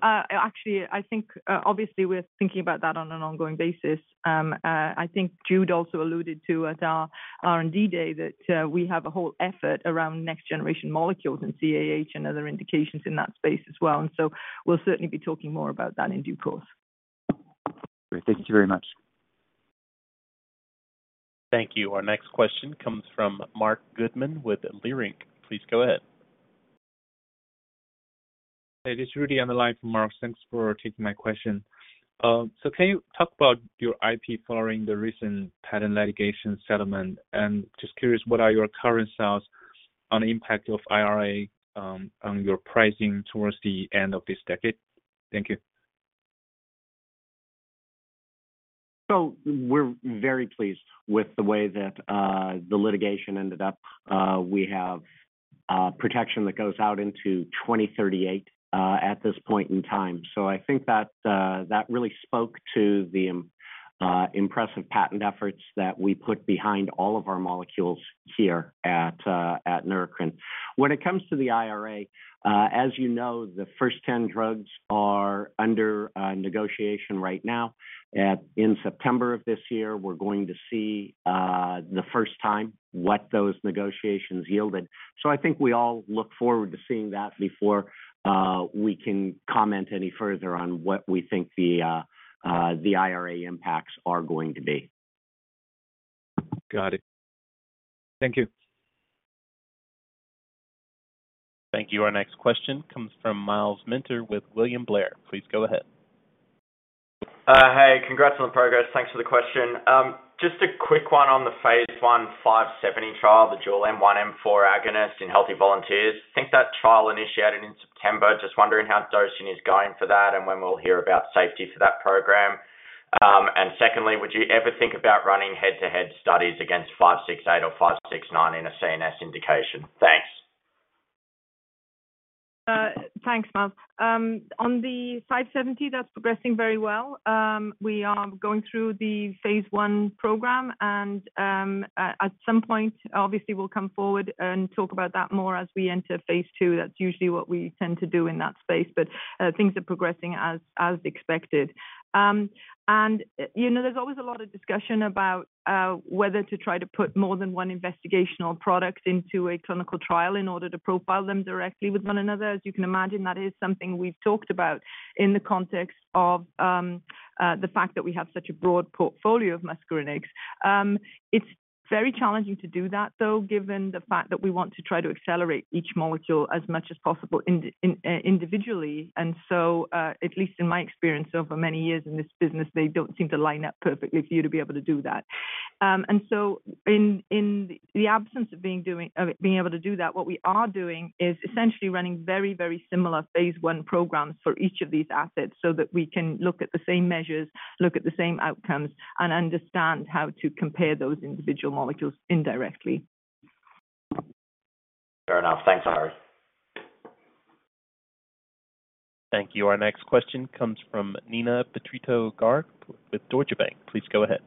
Actually, I think, obviously we're thinking about that on an ongoing basis. I think Jude also alluded to at our R&D Day that we have a whole effort around next-generation molecules in CAH and other indications in that space as well, and so we'll certainly be talking more about that in due course. Great. Thank you very much. Thank you. Our next question comes from Marc Goodman with Leerink. Please go ahead. Hey, this is Rudy on the line from Marc. Thanks for taking my question. So can you talk about your IP following the recent patent litigation settlement? And just curious, what are your current thoughts on the impact of IRA on your pricing towards the end of this decade? Thank you. So we're very pleased with the way that the litigation ended up. We have protection that goes out into 2038 at this point in time. So I think that that really spoke to the impressive patent efforts that we put behind all of our molecules here at Neurocrine. When it comes to the IRA, as you know, the first 10 drugs are under negotiation right now. In September of this year, we're going to see the first time what those negotiations yielded. So I think we all look forward to seeing that before we can comment any further on what we think the IRA impacts are going to be. Got it. Thank you. Thank you. Our next question comes from Myles Minter with William Blair. Please go ahead. Hey, congrats on the progress. Thanks for the question. Just a quick one on the phase I NBI-'570 trial, the dual M1/M4 agonist in healthy volunteers. I think that trial initiated in September. Just wondering how dosing is going for that and when we'll hear about safety for that program. And secondly, would you ever think about running head-to-head studies against NBI-'568 or NBI-'569 in a C&S indication? Thanks. Thanks, Myles. On the NBI-'570, that's progressing very well. We are going through the phase I program, and at some point, obviously, we'll come forward and talk about that more as we enter phase II. That's usually what we tend to do in that space, but things are progressing as expected. And, you know, there's always a lot of discussion about whether to try to put more than one investigational product into a clinical trial in order to profile them directly with one another. As you can imagine, that is something we've talked about in the context of the fact that we have such a broad portfolio of muscarinic. It's very challenging to do that, though, given the fact that we want to try to accelerate each molecule as much as possible individually. And so, at least in my experience, over many years in this business, they don't seem to line up perfectly for you to be able to do that. So in the absence of being able to do that, what we are doing is essentially running very, very similar phase I programs for each of these assets so that we can look at the same measures, look at the same outcomes, and understand how to compare those individual molecules indirectly. Fair enough. Thanks Eiry. Thank you. Our next question comes from Neena Bitritto-Garg with Deutsche Bank. Please go ahead.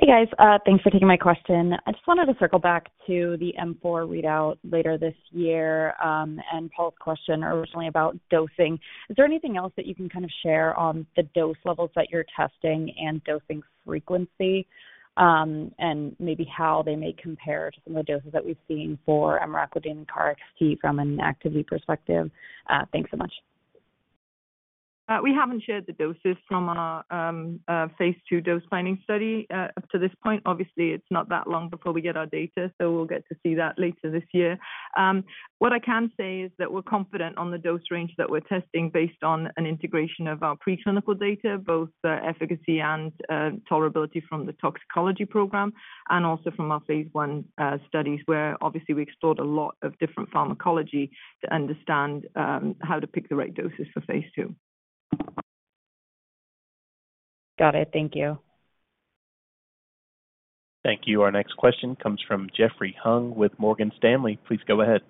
Hey, guys. Thanks for taking my question. I just wanted to circle back to the M4 readout later this year, and Paul's question originally about dosing. Is there anything else that you can kind of share on the dose levels that you're testing and dosing frequency, and maybe how they may compare to some of the doses that we've seen for emraclidine and KarXT from an activity perspective? Thanks so much. We haven't shared the doses from our phase II dose planning study up to this point. Obviously, it's not that long before we get our data, so we'll get to see that later this year. What I can say is that we're confident on the dose range that we're testing based on an integration of our preclinical data, both efficacy and tolerability from the toxicology program and also from our phase I studies, where obviously we explored a lot of different pharmacology to understand how to pick the right doses for phase II. Got it. Thank you. Thank you. Our next question comes from Jeffrey Hung with Morgan Stanley. Please go ahead.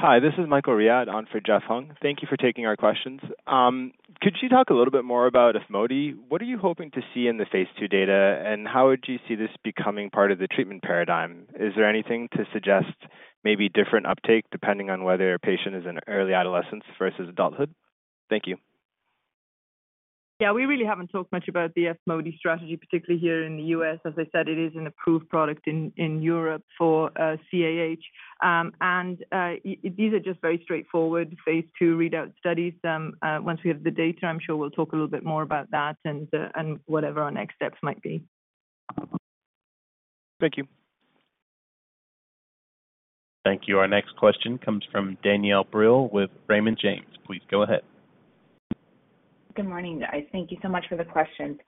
Hi, this is Michael Riad on for Jeff Hung. Thank you for taking our questions. Could you talk a little bit more about Efmody? What are you hoping to see in the phase II data, and how would you see this becoming part of the treatment paradigm? Is there anything to suggest maybe different uptake, depending on whether a patient is in early adolescence versus adulthood? Thank you. Yeah, we really haven't talked much about the Efmody strategy, particularly here in the U.S. As I said, it is an approved product in Europe for CAH. These are just very straightforward phase II readout studies. Once we have the data, I'm sure we'll talk a little bit more about that and whatever our next steps might be. Thank you. Thank you. Our next question comes from Danielle Brill with Raymond James. Please go ahead. Good morning, guys. Thank you so much for the questions.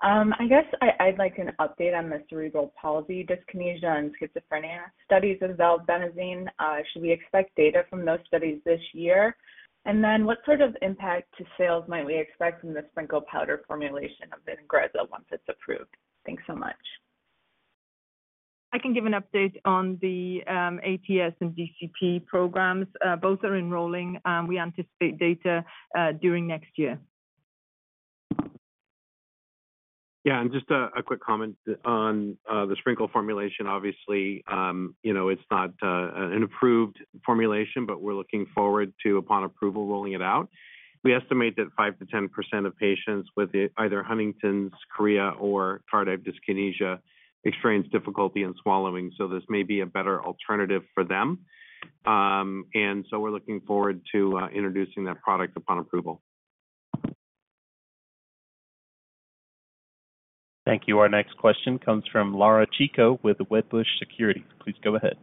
I guess I'd like an update on the cerebral palsy, dyskinesia, and schizophrenia studies of valbenazine. Should we expect data from those studies this year? And then what sort of impact to sales might we expect from the sprinkle powder formulation of INGREZZA once it's approved? Thanks so much. I can give an update on the ATS and DCP programs. Both are enrolling, and we anticipate data during next year. Yeah, and just a quick comment on the sprinkle formulation. Obviously, you know, it's not an approved formulation, but we're looking forward to, upon approval, rolling it out. We estimate that 5%-10% of patients with either Huntington's chorea or tardive dyskinesia experience difficulty in swallowing, so this may be a better alternative for them. And so we're looking forward to introducing that product upon approval. Thank you. Our next question comes from Laura Chico with Wedbush Securities. Please go ahead.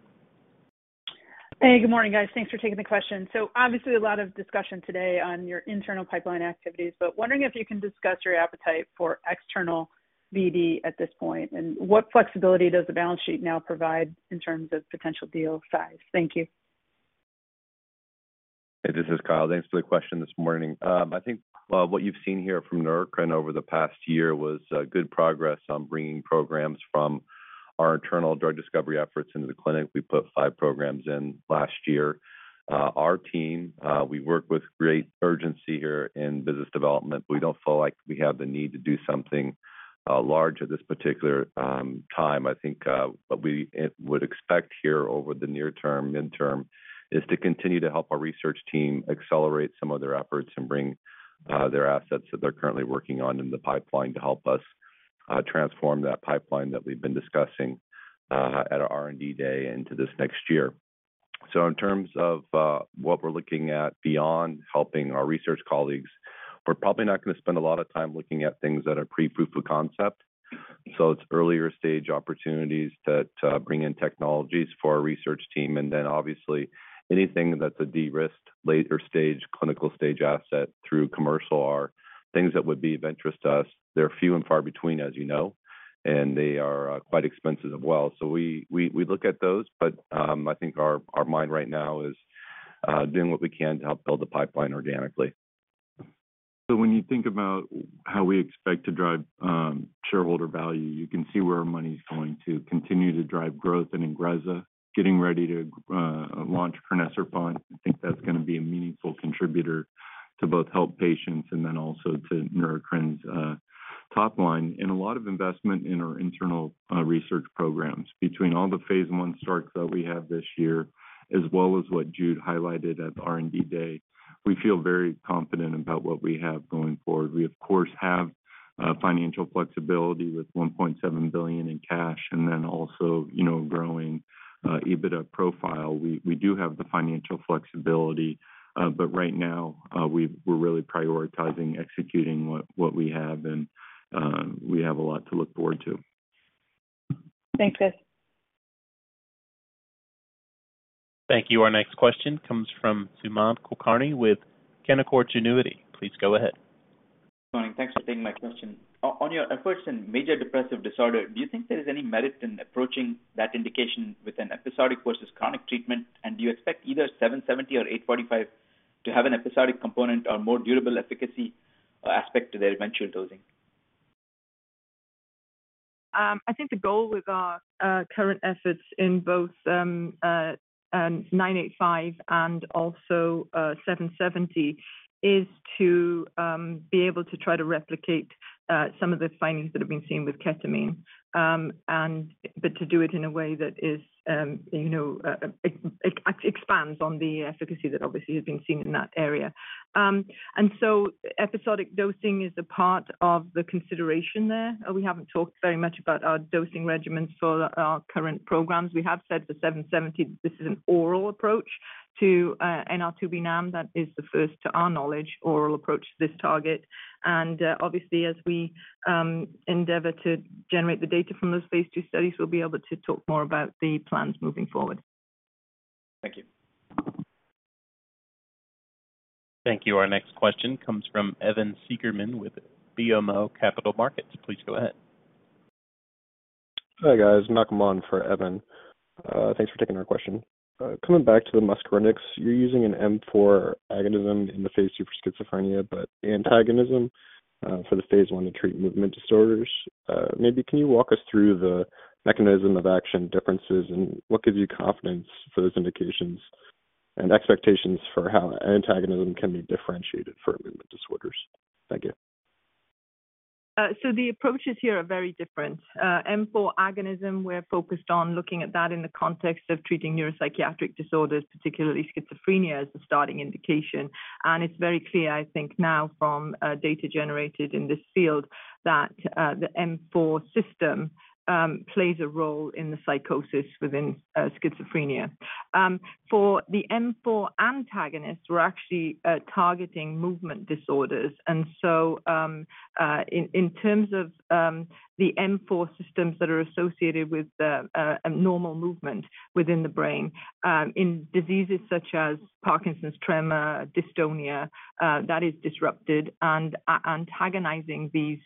Hey, good morning, guys. Thanks for taking the question. So obviously, a lot of discussion today on your internal pipeline activities, but wondering if you can discuss your appetite for external BD at this point, and what flexibility does the balance sheet now provide in terms of potential deal size? Thank you. Hey, this is Kyle. Thanks for the question this morning. I think, what you've seen here from Neurocrine over the past year was, good progress on bringing programs from our internal drug discovery efforts into the clinic. We put five programs in last year. Our team, we work with great urgency here in business development. We don't feel like we have the need to do something, large at this particular, time. I think, what we, would expect here over the near term, midterm is to continue to help our research team accelerate some of their efforts and bring, their assets that they're currently working on in the pipeline to help us, transform that pipeline that we've been discussing, at our R&D Day into this next year. So in terms of what we're looking at beyond helping our research colleagues, we're probably not going to spend a lot of time looking at things that are pre-proof of concept. It's earlier-stage opportunities to bring in technologies for our research team, and then obviously, anything that's a de-risked, later-stage, clinical-stage asset through commercial are things that would be of interest to us. They're few and far between, as you know, and they are quite expensive as well. We look at those, but I think our mind right now is doing what we can to help build the pipeline organically. When you think about how we expect to drive shareholder value, you can see where our money's going to continue to drive growth in INGREZZA, getting ready to launch crinecerfont. I think that's going to be a meaningful contributor to both help patients and then also to Neurocrine's top line. A lot of investment in our internal research programs. Between all the phase I starts that we have this year, as well as what Jude highlighted at the R&D Day, we feel very confident about what we have going forward. We, of course, have financial flexibility with $1.7 billion in cash and then also, you know, growing EBITDA profile. We do have the financial flexibility, but right now, we're really prioritizing executing what we have, and we have a lot to look forward to. Thanks, guys. Thank you. Our next question comes from Sumant Kulkarni with Canaccord Genuity. Please go ahead. Morning. Thanks for taking my question. On your efforts in major depressive disorder, do you think there is any merit in approaching that indication with an episodic versus chronic treatment? And do you expect either NBI-'770 or NBI-'845 to have an episodic component or more durable efficacy aspect to their eventual dosing? I think the goal with our current efforts in both NBI-'985 and also NBI-'770 is to be able to try to replicate some of the findings that have been seen with ketamine. And but to do it in a way that is, you know, expands on the efficacy that obviously has been seen in that area. And so episodic dosing is a part of the consideration there. We haven't talked very much about our dosing regimens for our current programs. We have said for NBI-'770, this is an oral approach to NR2B NAM. That is the first, to our knowledge, oral approach to this target. Obviously, as we endeavor to generate the data from those phase II studies, we'll be able to talk more about the plans moving forward. Thank you. Thank you. Our next question comes from Evan Seigerman with BMO Capital Markets. Please go ahead. Hi, guys. Malcolm on for Evan. Thanks for taking our question. Coming back to the muscarinics, you're using an M4 agonism in the phase II for schizophrenia, but antagonism for the phase I to treat movement disorders. Maybe can you walk us through the mechanism of action differences and what gives you confidence for those indications and expectations for how antagonism can be differentiated for movement disorders? Thank you. The approaches here are very different. M4 agonism, we're focused on looking at that in the context of treating neuropsychiatric disorders, particularly schizophrenia, as a starting indication. It's very clear, I think now from data generated in this field, that the M4 system plays a role in the psychosis within schizophrenia. For the M4 antagonists, we're actually targeting movement disorders. In terms of the M4 systems that are associated with the normal movement within the brain, in diseases such as Parkinson's tremor, dystonia, that is disrupted and antagonizing this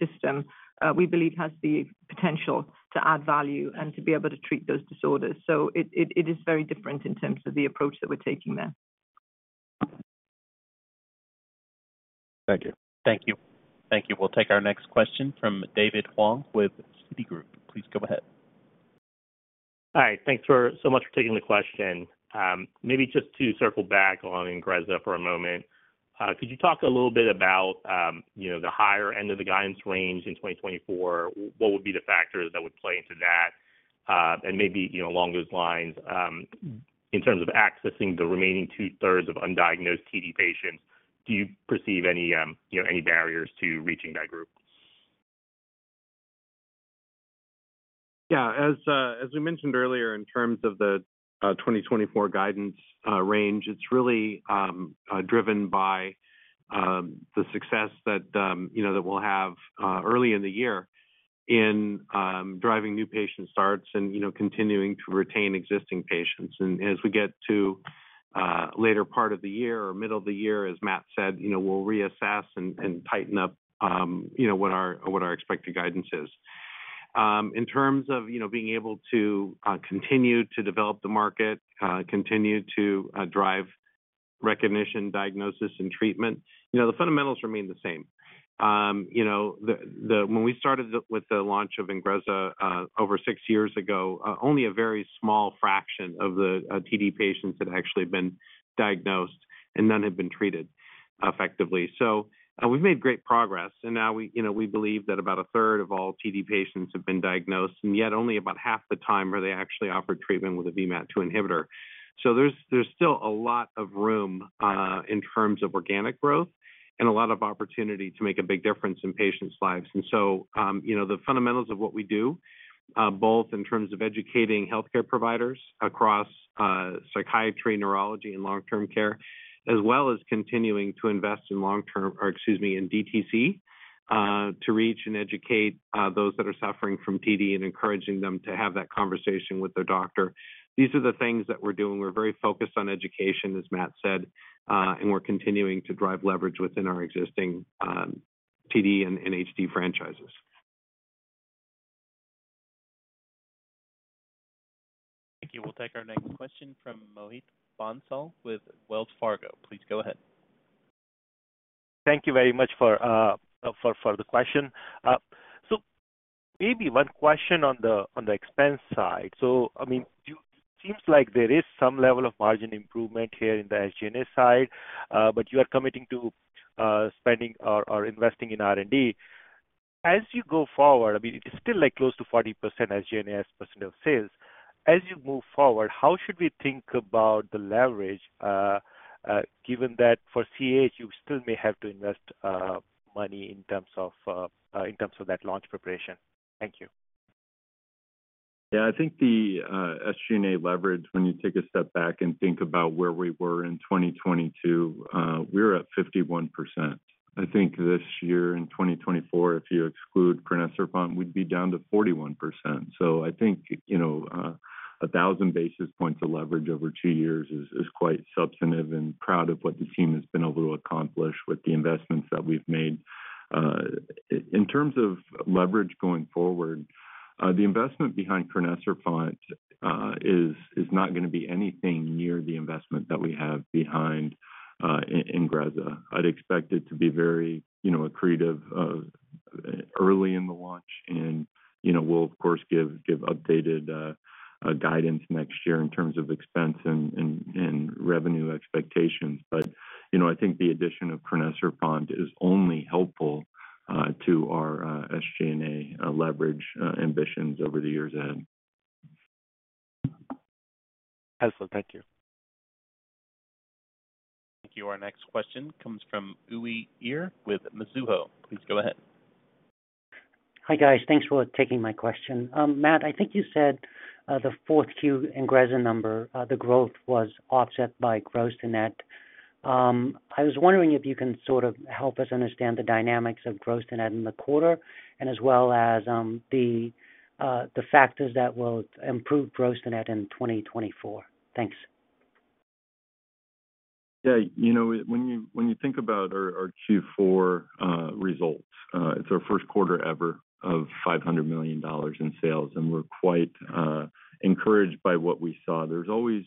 system, we believe has the potential to add value and to be able to treat those disorders. It is very different in terms of the approach that we're taking there. Thank you. Thank you. We'll take our next question from David Hoang with Citigroup. Please go ahead. Hi. Thanks so much for taking the question. Maybe just to circle back on INGREZZA for a moment. Could you talk a little bit about, you know, the higher end of the guidance range in 2024? What would be the factors that would play into that? And maybe, you know, along those lines, in terms of accessing the remaining 2/3 of undiagnosed TD patients, do you perceive any, you know, any barriers to reaching that group? Yeah, as we mentioned earlier, in terms of the 2024 guidance range, it's really driven by the success that, you know, that we'll have early in the year in driving new patient starts and, you know, continuing to retain existing patients. As we get to later part of the year or middle of the year, as Matt said, you know, we'll reassess and tighten up, you know, what our expected guidance is. In terms of, you know, being able to continue to develop the market, continue to drive recognition, diagnosis, and treatment, you know, the fundamentals remain the same. You know, when we started with the launch of INGREZZA over six years ago, only a very small fraction of the TD patients had actually been diagnosed, and none had been treated effectively. So we've made great progress, and now we, you know, we believe that about a third of all TD patients have been diagnosed, and yet only about half the time were they actually offered treatment with a VMAT2 inhibitor. So there's still a lot of room in terms of organic growth and a lot of opportunity to make a big difference in patients' lives. You know, the fundamentals of what we do both in terms of educating healthcare providers across psychiatry, neurology, and long-term care, as well as continuing to invest in long-term, or excuse me, in DTC to reach and educate those that are suffering from TD and encouraging them to have that conversation with their doctor. These are the things that we're doing. We're very focused on education, as Matt said, and we're continuing to drive leverage within our existing TD and HD franchises. Thank you. We'll take our next question from Mohit Bansal with Wells Fargo. Please go ahead. Thank you very much for the question. So, maybe one question on the expense side. So, I mean, you, it seems like there is some level of margin improvement here in the SG&A side, but you are committing to spending or investing in R&D. As you go forward, I mean, it is still, like, close to 40% SG&A as a percentage of sales. As you move forward, how should we think about the leverage, given that for CAH, you still may have to invest money in terms of that launch preparation? Thank you. Yeah, I think the SG&A leverage, when you take a step back and think about where we were in 2022, we were at 51%. I think this year, in 2024, if you exclude crinecerfont, we'd be down to 41%. So I think, you know, 1,000 basis points of leverage over two years is quite substantive and proud of what the team has been able to accomplish with the investments that we've made. In terms of leverage going forward, the investment behind crinecerfont is not going to be anything near the investment that we have behind INGREZZA. I'd expect it to be very, you know, accretive early in the launch and, you know, we'll of course give updated guidance next year in terms of expense and revenue expectations. But, you know, I think the addition of crinecerfont is only helpful to our SG&A leverage ambitions over the years ahead. Excellent. Thank you. Thank you. Our next question comes from Uy Ear with Mizuho. Please go ahead. Hi, guys. Thanks for taking my question. Matt, I think you said the 4Q INGREZZA number, the growth was offset by gross-to-net. I was wondering if you can sort of help us understand the dynamics of gross-to-net in the quarter, and as well as the factors that will improve gross-to-net in 2024. Thanks. Yeah, you know, when you think about our Q4 results, it's our first quarter ever of $500 million in sales, and we're quite encouraged by what we saw. There's always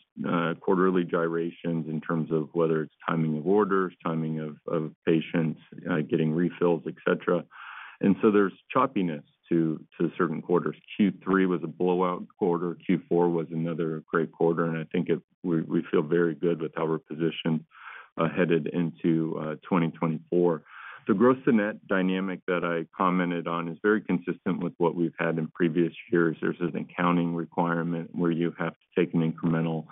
quarterly gyrations in terms of whether it's timing of orders, timing of patients getting refills, et cetera. So there's choppiness to certain quarters. Q3 was a blowout quarter. Q4 was another great quarter, and I think it we feel very good with how we're positioned headed into 2024. The gross-to-net dynamic that I commented on is very consistent with what we've had in previous years. There's an accounting requirement where you have to take an incremental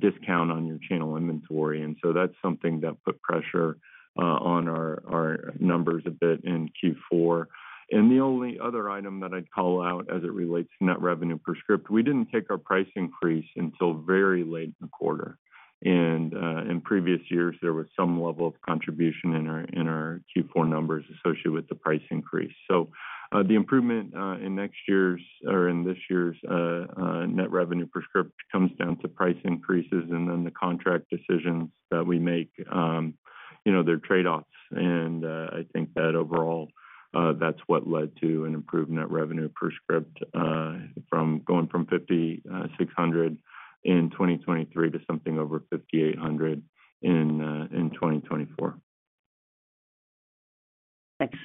discount on your channel inventory, and so that's something that put pressure on our numbers a bit in Q4. The only other item that I'd call out as it relates to net revenue per script, we didn't take our price increase until very late in the quarter. In previous years, there was some level of contribution in our Q4 numbers associated with the price increase. The improvement in next year's or in this year's net revenue per script comes down to price increases and then the contract decisions that we make. You know, they're trade-offs, and I think that overall, that's what led to an improved net revenue per script from going from $5,600 in 2023 to something over $5,800 in 2024. Thanks.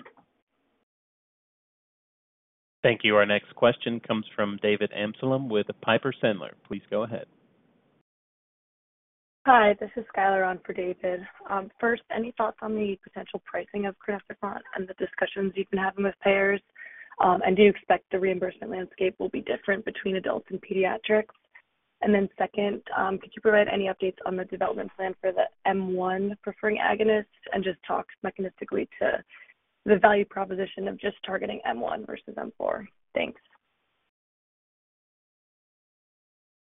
Thank you. Our next question comes from David Amsellem with Piper Sandler. Please go ahead. Hi, this is Skylar on for David. First, any thoughts on the potential pricing of crinecerfont and the discussions you've been having with payers? And do you expect the reimbursement landscape will be different between adults and pediatrics? And then second, could you provide any updates on the development plan for the M1 preferring agonist? And just talk mechanistically to the value proposition of just targeting M1 versus M4. Thanks.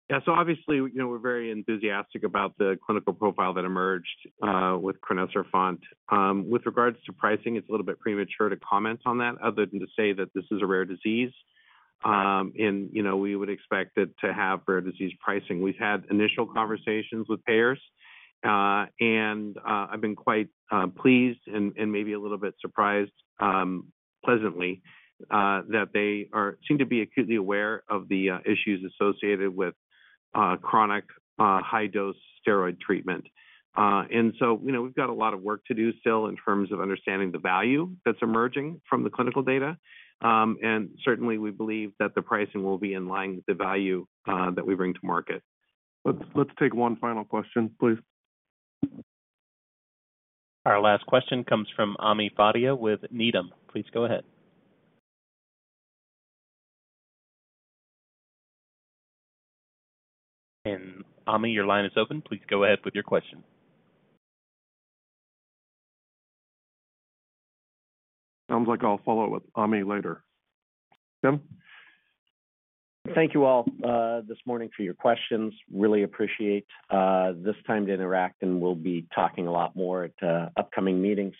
Yeah. So obviously, you know, we're very enthusiastic about the clinical profile that emerged with crinecerfont. With regards to pricing, it's a little bit premature to comment on that, other than to say that this is a rare disease. And, you know, we would expect it to have rare disease pricing. We've had initial conversations with payers, and I've been quite pleased and maybe a little bit surprised, pleasantly, that they seem to be acutely aware of the issues associated with chronic high-dose steroid treatment. And so, you know, we've got a lot of work to do still in terms of understanding the value that's emerging from the clinical data. And certainly, we believe that the pricing will be in line with the value that we bring to market. Let's take one final question, please. Our last question comes from Ami Fadia with Needham. Please go ahead. Ami, your line is open. Please go ahead with your question. Sounds like I'll follow up with Ami later. Kevin? Thank you all this morning for your questions. Really appreciate this time to interact, and we'll be talking a lot more at upcoming meetings.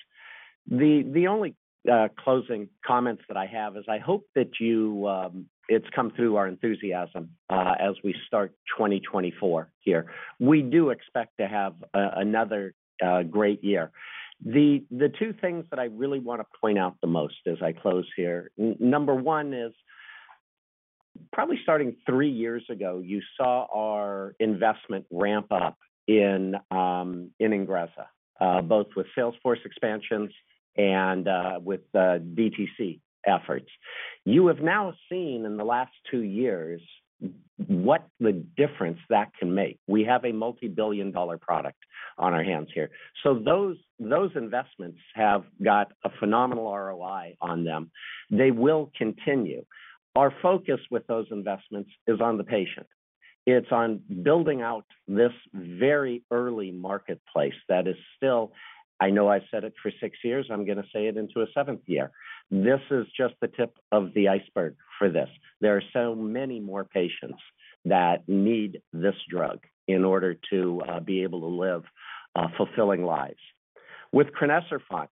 The only closing comments that I have is I hope that it's come through our enthusiasm as we start 2024 here. We do expect to have another great year. The two things that I really want to point out the most as I close here, number one is, probably starting three years ago, you saw our investment ramp up in INGREZZA both with salesforce expansions and with DTC efforts. You have now seen in the last two years what the difference that can make. We have a multibillion-dollar product on our hands here. So those investments have got a phenomenal ROI on them. They will continue. Our focus with those investments is on the patient. It's on building out this very early marketplace that is still, I know I've said it for six years, I'm going to say it into a seventh year, this is just the tip of the iceberg for this. There are so many more patients that need this drug in order to be able to live fulfilling lives. With crinecerfont,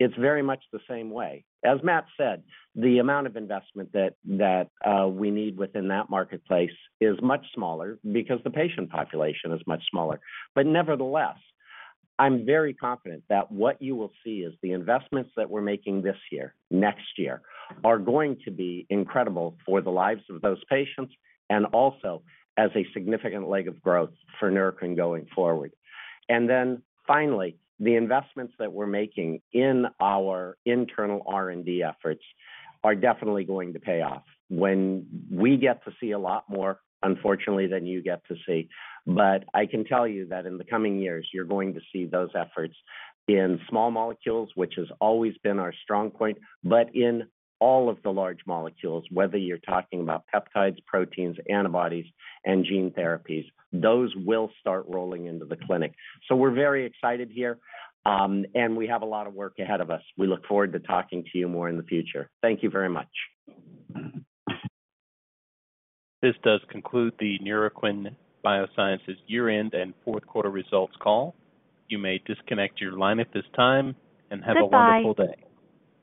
it's very much the same way. As Matt said, the amount of investment that we need within that marketplace is much smaller because the patient population is much smaller. But nevertheless, I'm very confident that what you will see is the investments that we're making this year, next year, are going to be incredible for the lives of those patients and also as a significant leg of growth for Neurocrine going forward. And then finally, the investments that we're making in our internal R&D efforts are definitely going to pay off. When we get to see a lot more, unfortunately, than you get to see. But I can tell you that in the coming years, you're going to see those efforts in small molecules, which has always been our strong point, but in all of the large molecules, whether you're talking about peptides, proteins, antibodies, and gene therapies, those will start rolling into the clinic. So we're very excited here, and we have a lot of work ahead of us. We look forward to talking to you more in the future. Thank you very much. This does conclude the Neurocrine Biosciences year-end and fourth quarter results call. You may disconnect your line at this time, and have a wonderful day.